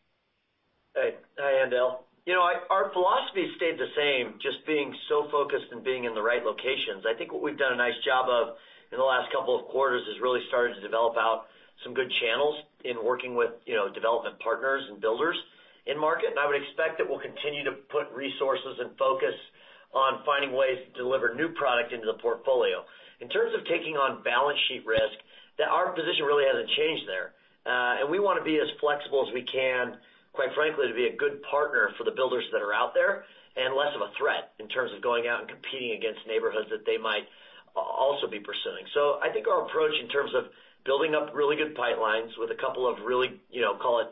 Hey. Hi, Haendel. Our philosophy has stayed the same, just being so focused on being in the right locations. I think what we've done a nice job of in the last couple of quarters is really started to develop out some good channels in working with development partners and builders in-market. I would expect that we'll continue to put resources and focus on finding ways to deliver new product into the portfolio. In terms of taking on balance sheet risk, our position really hasn't changed there. We want to be as flexible as we can, quite frankly, to be a good partner for the builders that are out there and less of a threat in terms of going out and competing against neighborhoods that they might also be pursuing. I think our approach in terms of building up really good pipelines with a couple of really, call it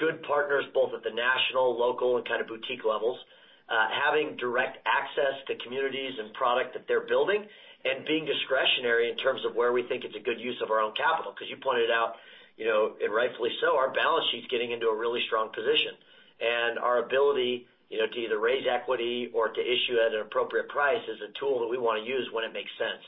good partners, both at the national, local, and kind of boutique levels, having direct access to communities and product that they're building, and being discretionary in terms of where we think it's a good use of our own capital. You pointed out, and rightfully so, our balance sheet's getting into a really strong position. Our ability to either raise equity or to issue at an appropriate price is a tool that we want to use when it makes sense.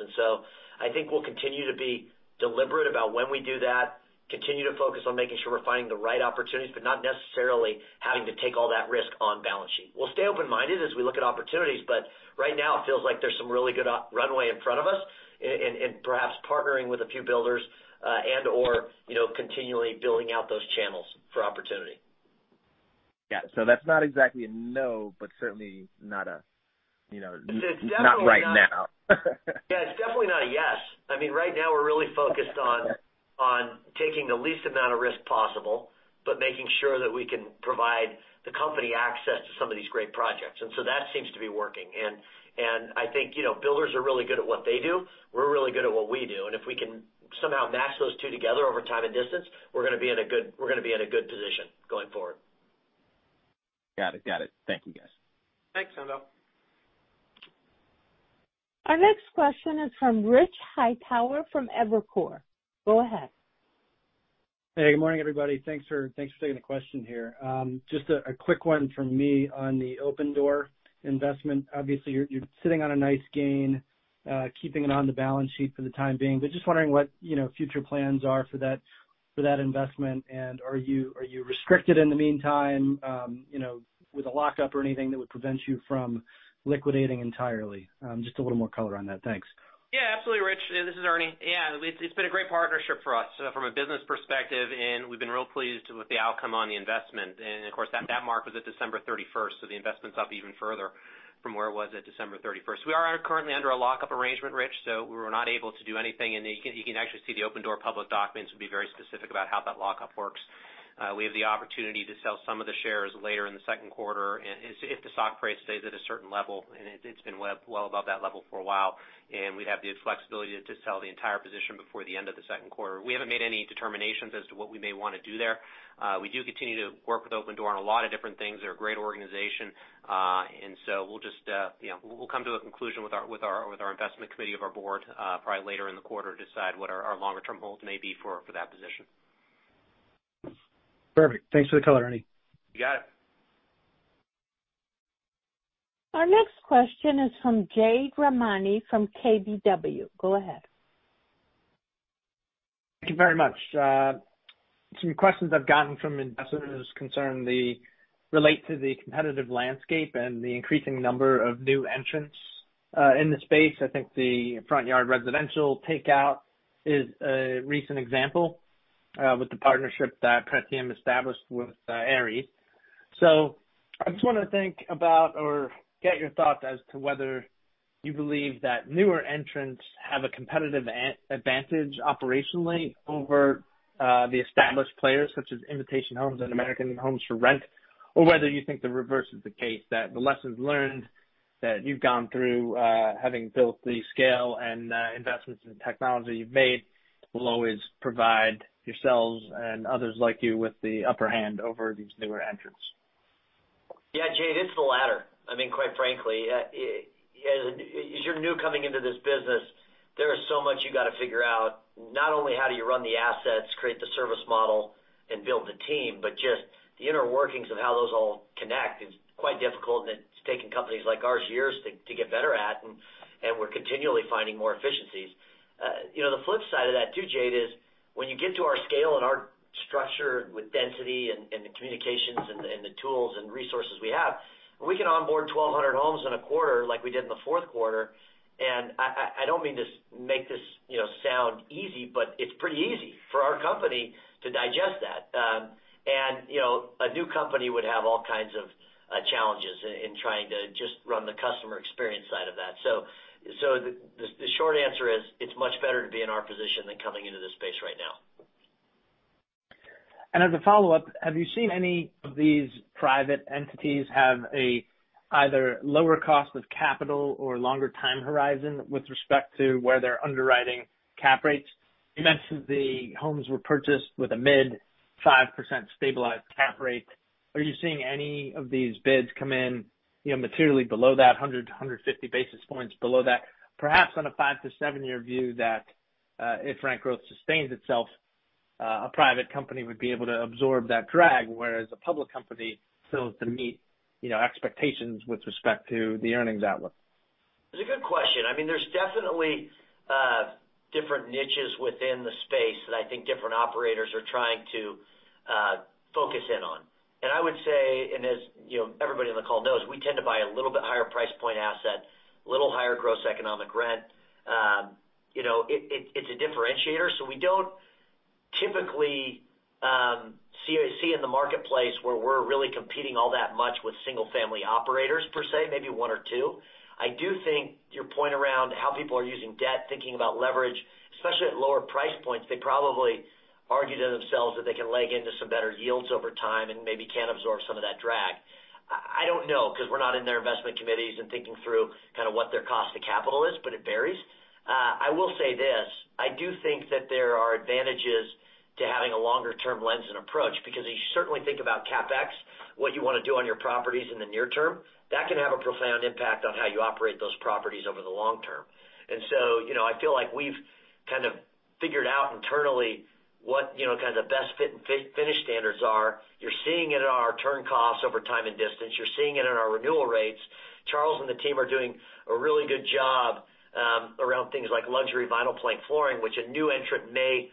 I think we'll continue to be deliberate about when we do that, continue to focus on making sure we're finding the right opportunities, but not necessarily having to take all that risk on balance sheet. We'll stay open-minded as we look at opportunities, but right now it feels like there's some really good runway in front of us and perhaps partnering with a few builders and/or continually building out those channels for opportunity. Yeah. That's not exactly a no, but certainly not. It's definitely not. Not right now. Yeah. It's definitely not a yes. Right now we're really focused on taking the least amount of risk possible, but making sure that we can provide the company access to some of these great projects. That seems to be working, and I think builders are really good at what they do. We're really good at what we do, and if we can somehow mash those two together over time and distance, we're going to be in a good position going forward. Got it. Thank you, guys. Thanks, Haendel. Our next question is from Rich Hightower from Evercore. Go ahead. Hey. Good morning, everybody. Thanks for taking the question here. Just a quick one from me on the Opendoor investment. Obviously, you're sitting on a nice gain, keeping it on the balance sheet for the time being. Just wondering what future plans are for that investment, and are you restricted in the meantime with a lockup or anything that would prevent you from liquidating entirely? Just a little more color on that. Thanks. Absolutely, Rich. This is Ernie. It's been a great partnership for us from a business perspective, and we've been real pleased with the outcome on the investment. Of course, that mark was at December 31st, so the investment's up even further from where it was at December 31st. We are currently under a lockup arrangement, Rich, so we were not able to do anything. You can actually see the Opendoor public documents will be very specific about how that lockup works. We have the opportunity to sell some of the shares later in the second quarter, if the stock price stays at a certain level, and it's been well above that level for a while. We'd have the flexibility to sell the entire position before the end of the second quarter. We haven't made any determinations as to what we may want to do there. We do continue to work with Opendoor on a lot of different things. They're a great organization. We'll come to a conclusion with our investment committee of our board probably later in the quarter to decide what our longer-term hold may be for that position. Perfect. Thanks for the color, Ernie. You got it. Our next question is from Jade Rahmani from KBW. Go ahead. Thank you very much. Some questions I've gotten from investors concern the relate to the competitive landscape and the increasing number of new entrants in the space. I think the Front Yard Residential takeout is a recent example with the partnership that Pretium established with Ares. I just want to think about or get your thoughts as to whether you believe that newer entrants have a competitive advantage operationally over the established players such as Invitation Homes and American Homes 4 Rent, or whether you think the reverse is the case, that the lessons learned that you've gone through having built the scale and investments in technology you've made will always provide yourselves and others like you with the upper hand over these newer entrants. Yeah, Jade, it's the latter. I mean, quite frankly. As you're new coming into this business, there is so much you got to figure out. Not only how do you run the assets, create the service model, and build the team, but just the inner workings of how those all connect is quite difficult, and it's taken companies like ours years to get better at, and we're continually finding more efficiencies. The flip side of that, too, Jade, is when you get to our scale and our structure with density and the communications and the tools and resources we have, we can onboard 1,200 homes in a quarter like we did in the fourth quarter. I don't mean to make this sound easy, but it's pretty easy for our company to digest that. A new company would have all kinds of challenges in trying to just run the customer experience side of that. The short answer is, it's much better to be in our position than coming into this space right now. As a follow-up, have you seen any of these private entities have a either lower cost of capital or longer time horizon with respect to where they're underwriting cap rates? You mentioned the homes were purchased with a mid-5% stabilized cap rate. Are you seeing any of these bids come in materially below that, 100-150 basis points below that? Perhaps on a five to seven-year view that if rent growth sustains itself, a private company would be able to absorb that drag, whereas a public company struggles to meet expectations with respect to the earnings outlook. It's a good question. There's definitely different niches within the space that I think different operators are trying to focus in on. I would say, and as everybody on the call knows, we tend to buy a little bit higher price point asset, a little higher gross economic rent. It's a differentiator. We don't typically see in the marketplace where we're really competing all that much with single-family operators per se, maybe one or two. I do think your point around how people are using debt, thinking about leverage, especially at lower price points, they probably argue to themselves that they can leg into some better yields over time and maybe can absorb some of that drag. I don't know because we're not in their investment committees and thinking through kind of what their cost to capital is, but it varies. I will say this, I do think that there are advantages to having a longer-term lens and approach because as you certainly think about CapEx, what you want to do on your properties in the near term, that can have a profound impact on how you operate those properties over the long term. I feel like we've kind of figured out internally what kind of the best fit and finish standards are. You're seeing it in our turn costs over time and distance. You're seeing it in our renewal rates. Charles and the team are doing a really good job around things like luxury vinyl plank flooring, which a new entrant may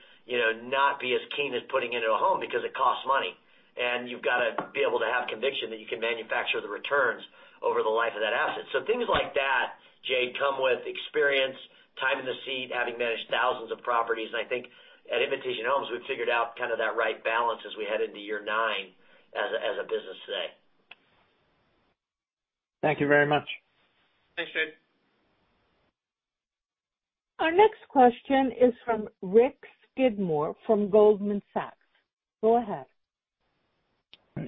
not be as keen as putting into a home because it costs money, and you've got to be able to have conviction that you can manufacture the returns over the life of that asset. Things like that, Jade, come with experience, time in the seat, having managed thousands of properties, and I think at Invitation Homes, we've figured out kind of that right balance as we head into year nine as a business today. Thank you very much. Thanks, Jade. Our next question is from Rick Skidmore from Goldman Sachs. Go ahead.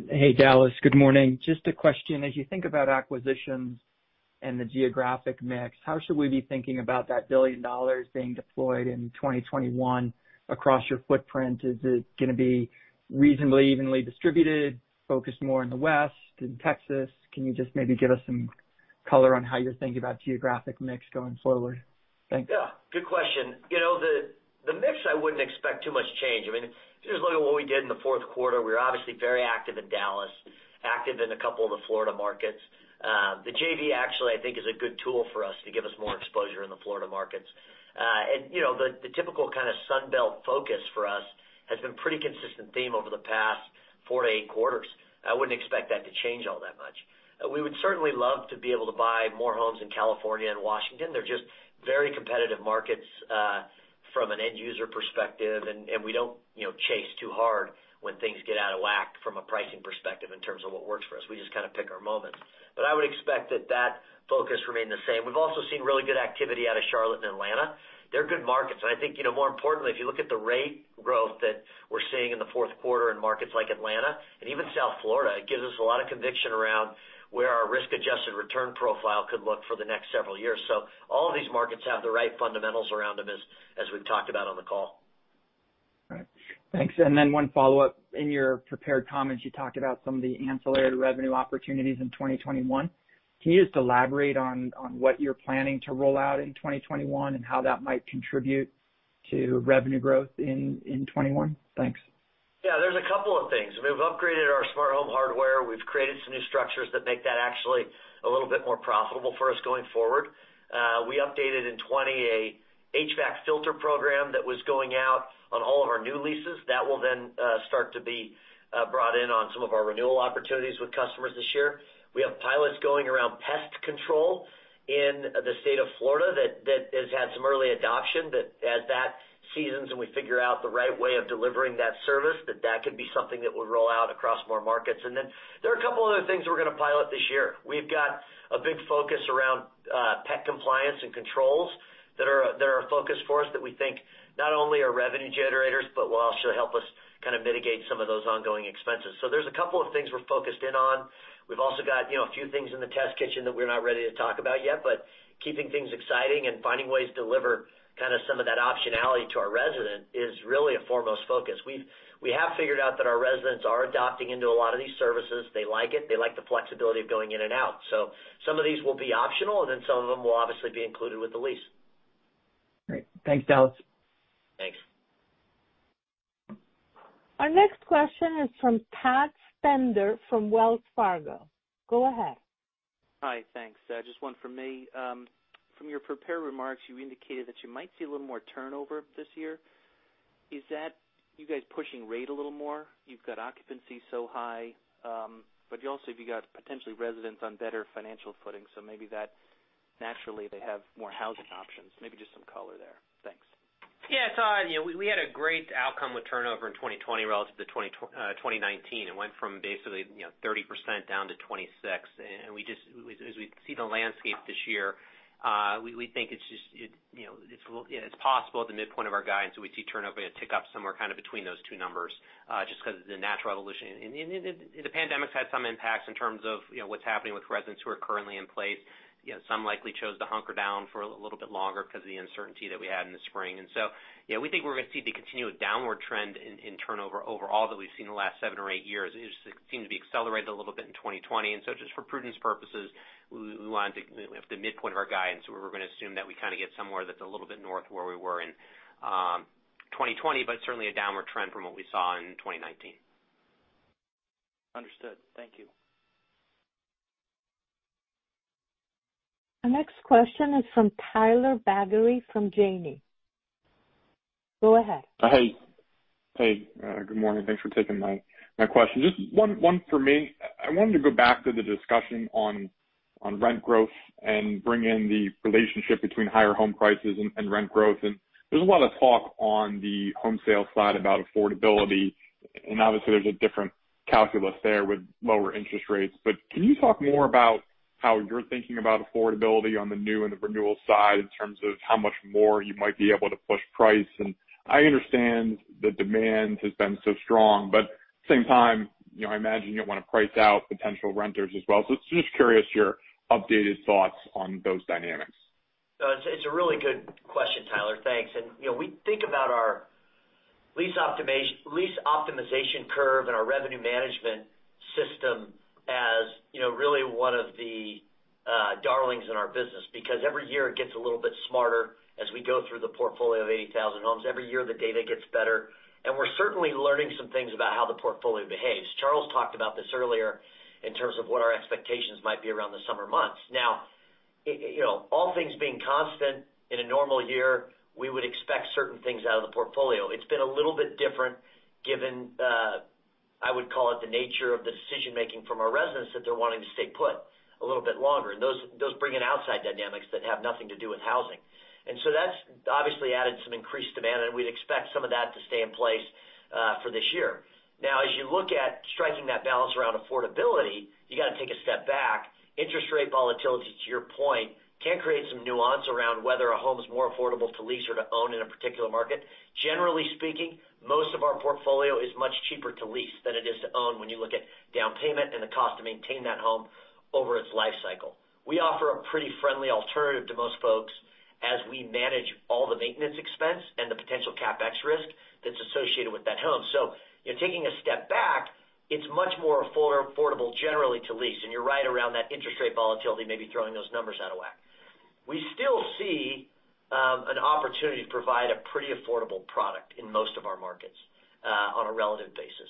Hey, Dallas. Good morning. Just a question. As you think about acquisitions and the geographic mix, how should we be thinking about that $1 billion being deployed in 2021 across your footprint? Is it going to be reasonably evenly distributed, focused more in the West, in Texas? Can you just maybe give us some color on how you're thinking about geographic mix going forward? Thanks. Yeah. Good question. The mix I wouldn't expect too much change. I mean this is literally what we did in the fourth quarter. We're obviously very active in Dallas, active in a couple of the Florida markets. The JV actually, I think, is a good tool for us to give us more exposure in the Florida markets. The typical kind of Sun Belt focus for us has been pretty consistent theme over the past 4-8 quarters. I wouldn't expect that to change all that much. We would certainly love to be able to buy more homes in California and Washington. They're just very competitive markets, from an end user perspective, and we don't chase too hard when things get out of whack from a pricing perspective in terms of what works for us. We just kind of pick our moments. I would expect that focus remain the same. We've also seen really good activity out of Charlotte and Atlanta. They're good markets. I think, more importantly, if you look at the rate growth that we're seeing in the fourth quarter in markets like Atlanta and even South Florida, it gives us a lot of conviction around where our risk-adjusted return profile could look for the next several years. All of these markets have the right fundamentals around them as we've talked about on the call. All right. Thanks. One follow-up. In your prepared comments, you talked about some of the ancillary revenue opportunities in 2021. Can you just elaborate on what you're planning to roll out in 2021 and how that might contribute to revenue growth in 2021? Thanks. There's a couple of things. We've upgraded our smart home hardware. We've created some new structures that make that actually a little bit more profitable for us going forward. We updated in 2020 a HVAC filter program that was going out on all of our new leases. That will then start to be brought in on some of our renewal opportunities with customers this year. We have pilots going around pest control in the state of Florida that has had some early adoption that as that seasons and we figure out the right way of delivering that service, that that could be something that would roll out across more markets. Then there are a couple other things we're going to pilot this year. We've got a big focus around pet compliance and controls that are a focus for us that we think not only are revenue generators, but will also help us kind of mitigate some of those ongoing expenses. There's a couple of things we're focused in on. We've also got a few things in the test kitchen that we're not ready to talk about yet, but keeping things exciting and finding ways to deliver kind of some of that optionality to our resident is really a foremost focus. We have figured out that our residents are adopting into a lot of these services. They like it. They like the flexibility of going in and out. Some of these will be optional, and then some of them will obviously be included with the lease. Great. Thanks, Dallas. Thanks. Our next question is from Todd Stender from Wells Fargo. Go ahead. Hi. Thanks. Just one from me. From your prepared remarks, you indicated that you might see a little more turnover this year. Is that you guys pushing rate a little more? You've got occupancy so high, but you also have got potentially residents on better financial footing, so maybe that naturally they have more housing options. Maybe just some color there. Thanks. Yeah. We had a great outcome with turnover in 2020 relative to 2019. It went from basically 30% down to 26%. As we see the landscape this year, we think it's possible at the midpoint of our guidance that we see turnover going to tick up somewhere kind of between those two numbers, just because of the natural evolution. The pandemic's had some impacts in terms of what's happening with residents who are currently in place. Some likely chose to hunker down for a little bit longer because of the uncertainty that we had in the spring. We think we're going to see the continued downward trend in turnover overall that we've seen the last seven or eight years. It just seemed to be accelerated a little bit in 2020. Just for prudence purposes, at the midpoint of our guidance, we were going to assume that we kind of get somewhere that's a little bit north where we were in 2020, but certainly a downward trend from what we saw in 2019. Understood. Thank you. Our next question is from Tyler Batory from Janney. Go ahead. Hey. Good morning. Thanks for taking my question. Just one for me. I wanted to go back to the discussion on rent growth and bring in the relationship between higher home prices and rent growth. There's a lot of talk on the home sale side about affordability, and obviously there's a different calculus there with lower interest rates. Can you talk more about how you're thinking about affordability on the new and the renewal side in terms of how much more you might be able to push price? I understand the demand has been so strong, but same time, I imagine you don't want to price out potential renters as well. It's just curious your updated thoughts on those dynamics. It's a really good question, Tyler. Thanks. We think about our lease optimization curve and our revenue management system as really one of the darlings in our business, because every year it gets a little bit smarter as we go through the portfolio of 80,000 homes. Every year, the data gets better, and we're certainly learning some things about how the portfolio behaves. Charles talked about this earlier in terms of what our expectations might be around the summer months. Now, all things being constant, in a normal year, we would expect certain things out of the portfolio. It's been a little bit different given, I would call it the nature of the decision-making from our residents that they're wanting to stay put a little bit longer. Those bring in outside dynamics that have nothing to do with housing. That's obviously added some increased demand, and we'd expect some of that to stay in place for this year. You look at striking that balance around affordability, you got to take a step back. Interest rate volatility, to your point, can create some nuance around whether a home is more affordable to lease or to own in a particular market. Generally speaking, most of our portfolio is much cheaper to lease than it is to own when you look at down payment and the cost to maintain that home over its life cycle. We offer a pretty friendly alternative to most folks as we manage all the maintenance expense and the potential CapEx risk that's associated with that home. Taking a step back, it's much more affordable generally to lease, and you're right around that interest rate volatility maybe throwing those numbers out of whack. We still see an opportunity to provide a pretty affordable product in most of our markets on a relative basis.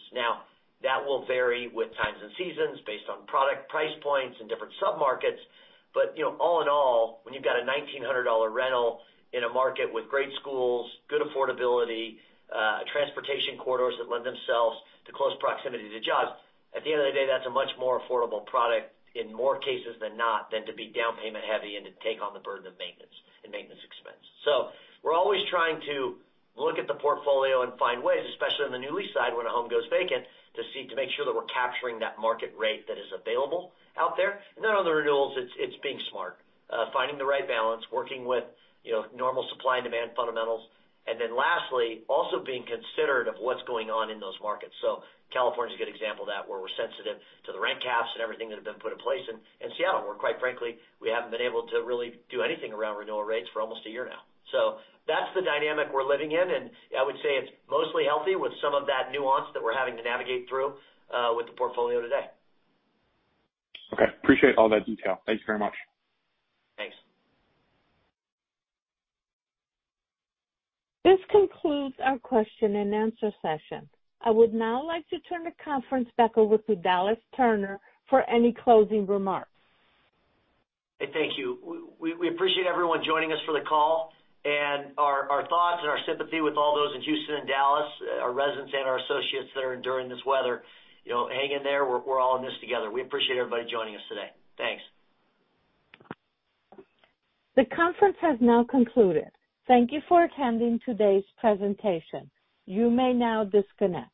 That will vary with times and seasons based on product price points and different sub-markets. All in all, when you've got a $1,900 rental in a market with great schools, good affordability, transportation corridors that lend themselves to close proximity to jobs, at the end of the day, that's a much more affordable product in more cases than not than to be down payment heavy and to take on the burden of maintenance and maintenance expense. We're always trying to look at the portfolio and find ways, especially on the new lease side, when a home goes vacant, to make sure that we're capturing that market rate that is available out there. On the renewals, it's being smart, finding the right balance, working with normal supply and demand fundamentals. Lastly, also being considerate of what's going on in those markets. California's a good example of that, where we're sensitive to the rent caps and everything that have been put in place. Seattle, where quite frankly, we haven't been able to really do anything around renewal rates for almost a year now. That's the dynamic we're living in, and I would say it's mostly healthy with some of that nuance that we're having to navigate through with the portfolio today. Okay. Appreciate all that detail. Thank you very much. Thanks. This concludes our question and answer session. I would now like to turn the conference back over to Dallas Tanner for any closing remarks. Hey, thank you. We appreciate everyone joining us for the call and our thoughts and our sympathy with all those in Houston and Dallas, our residents and our associates that are enduring this weather. Hang in there. We're all in this together. We appreciate everybody joining us today. Thanks. The conference has now concluded. Thank you for attending today's presentation. You may now disconnect.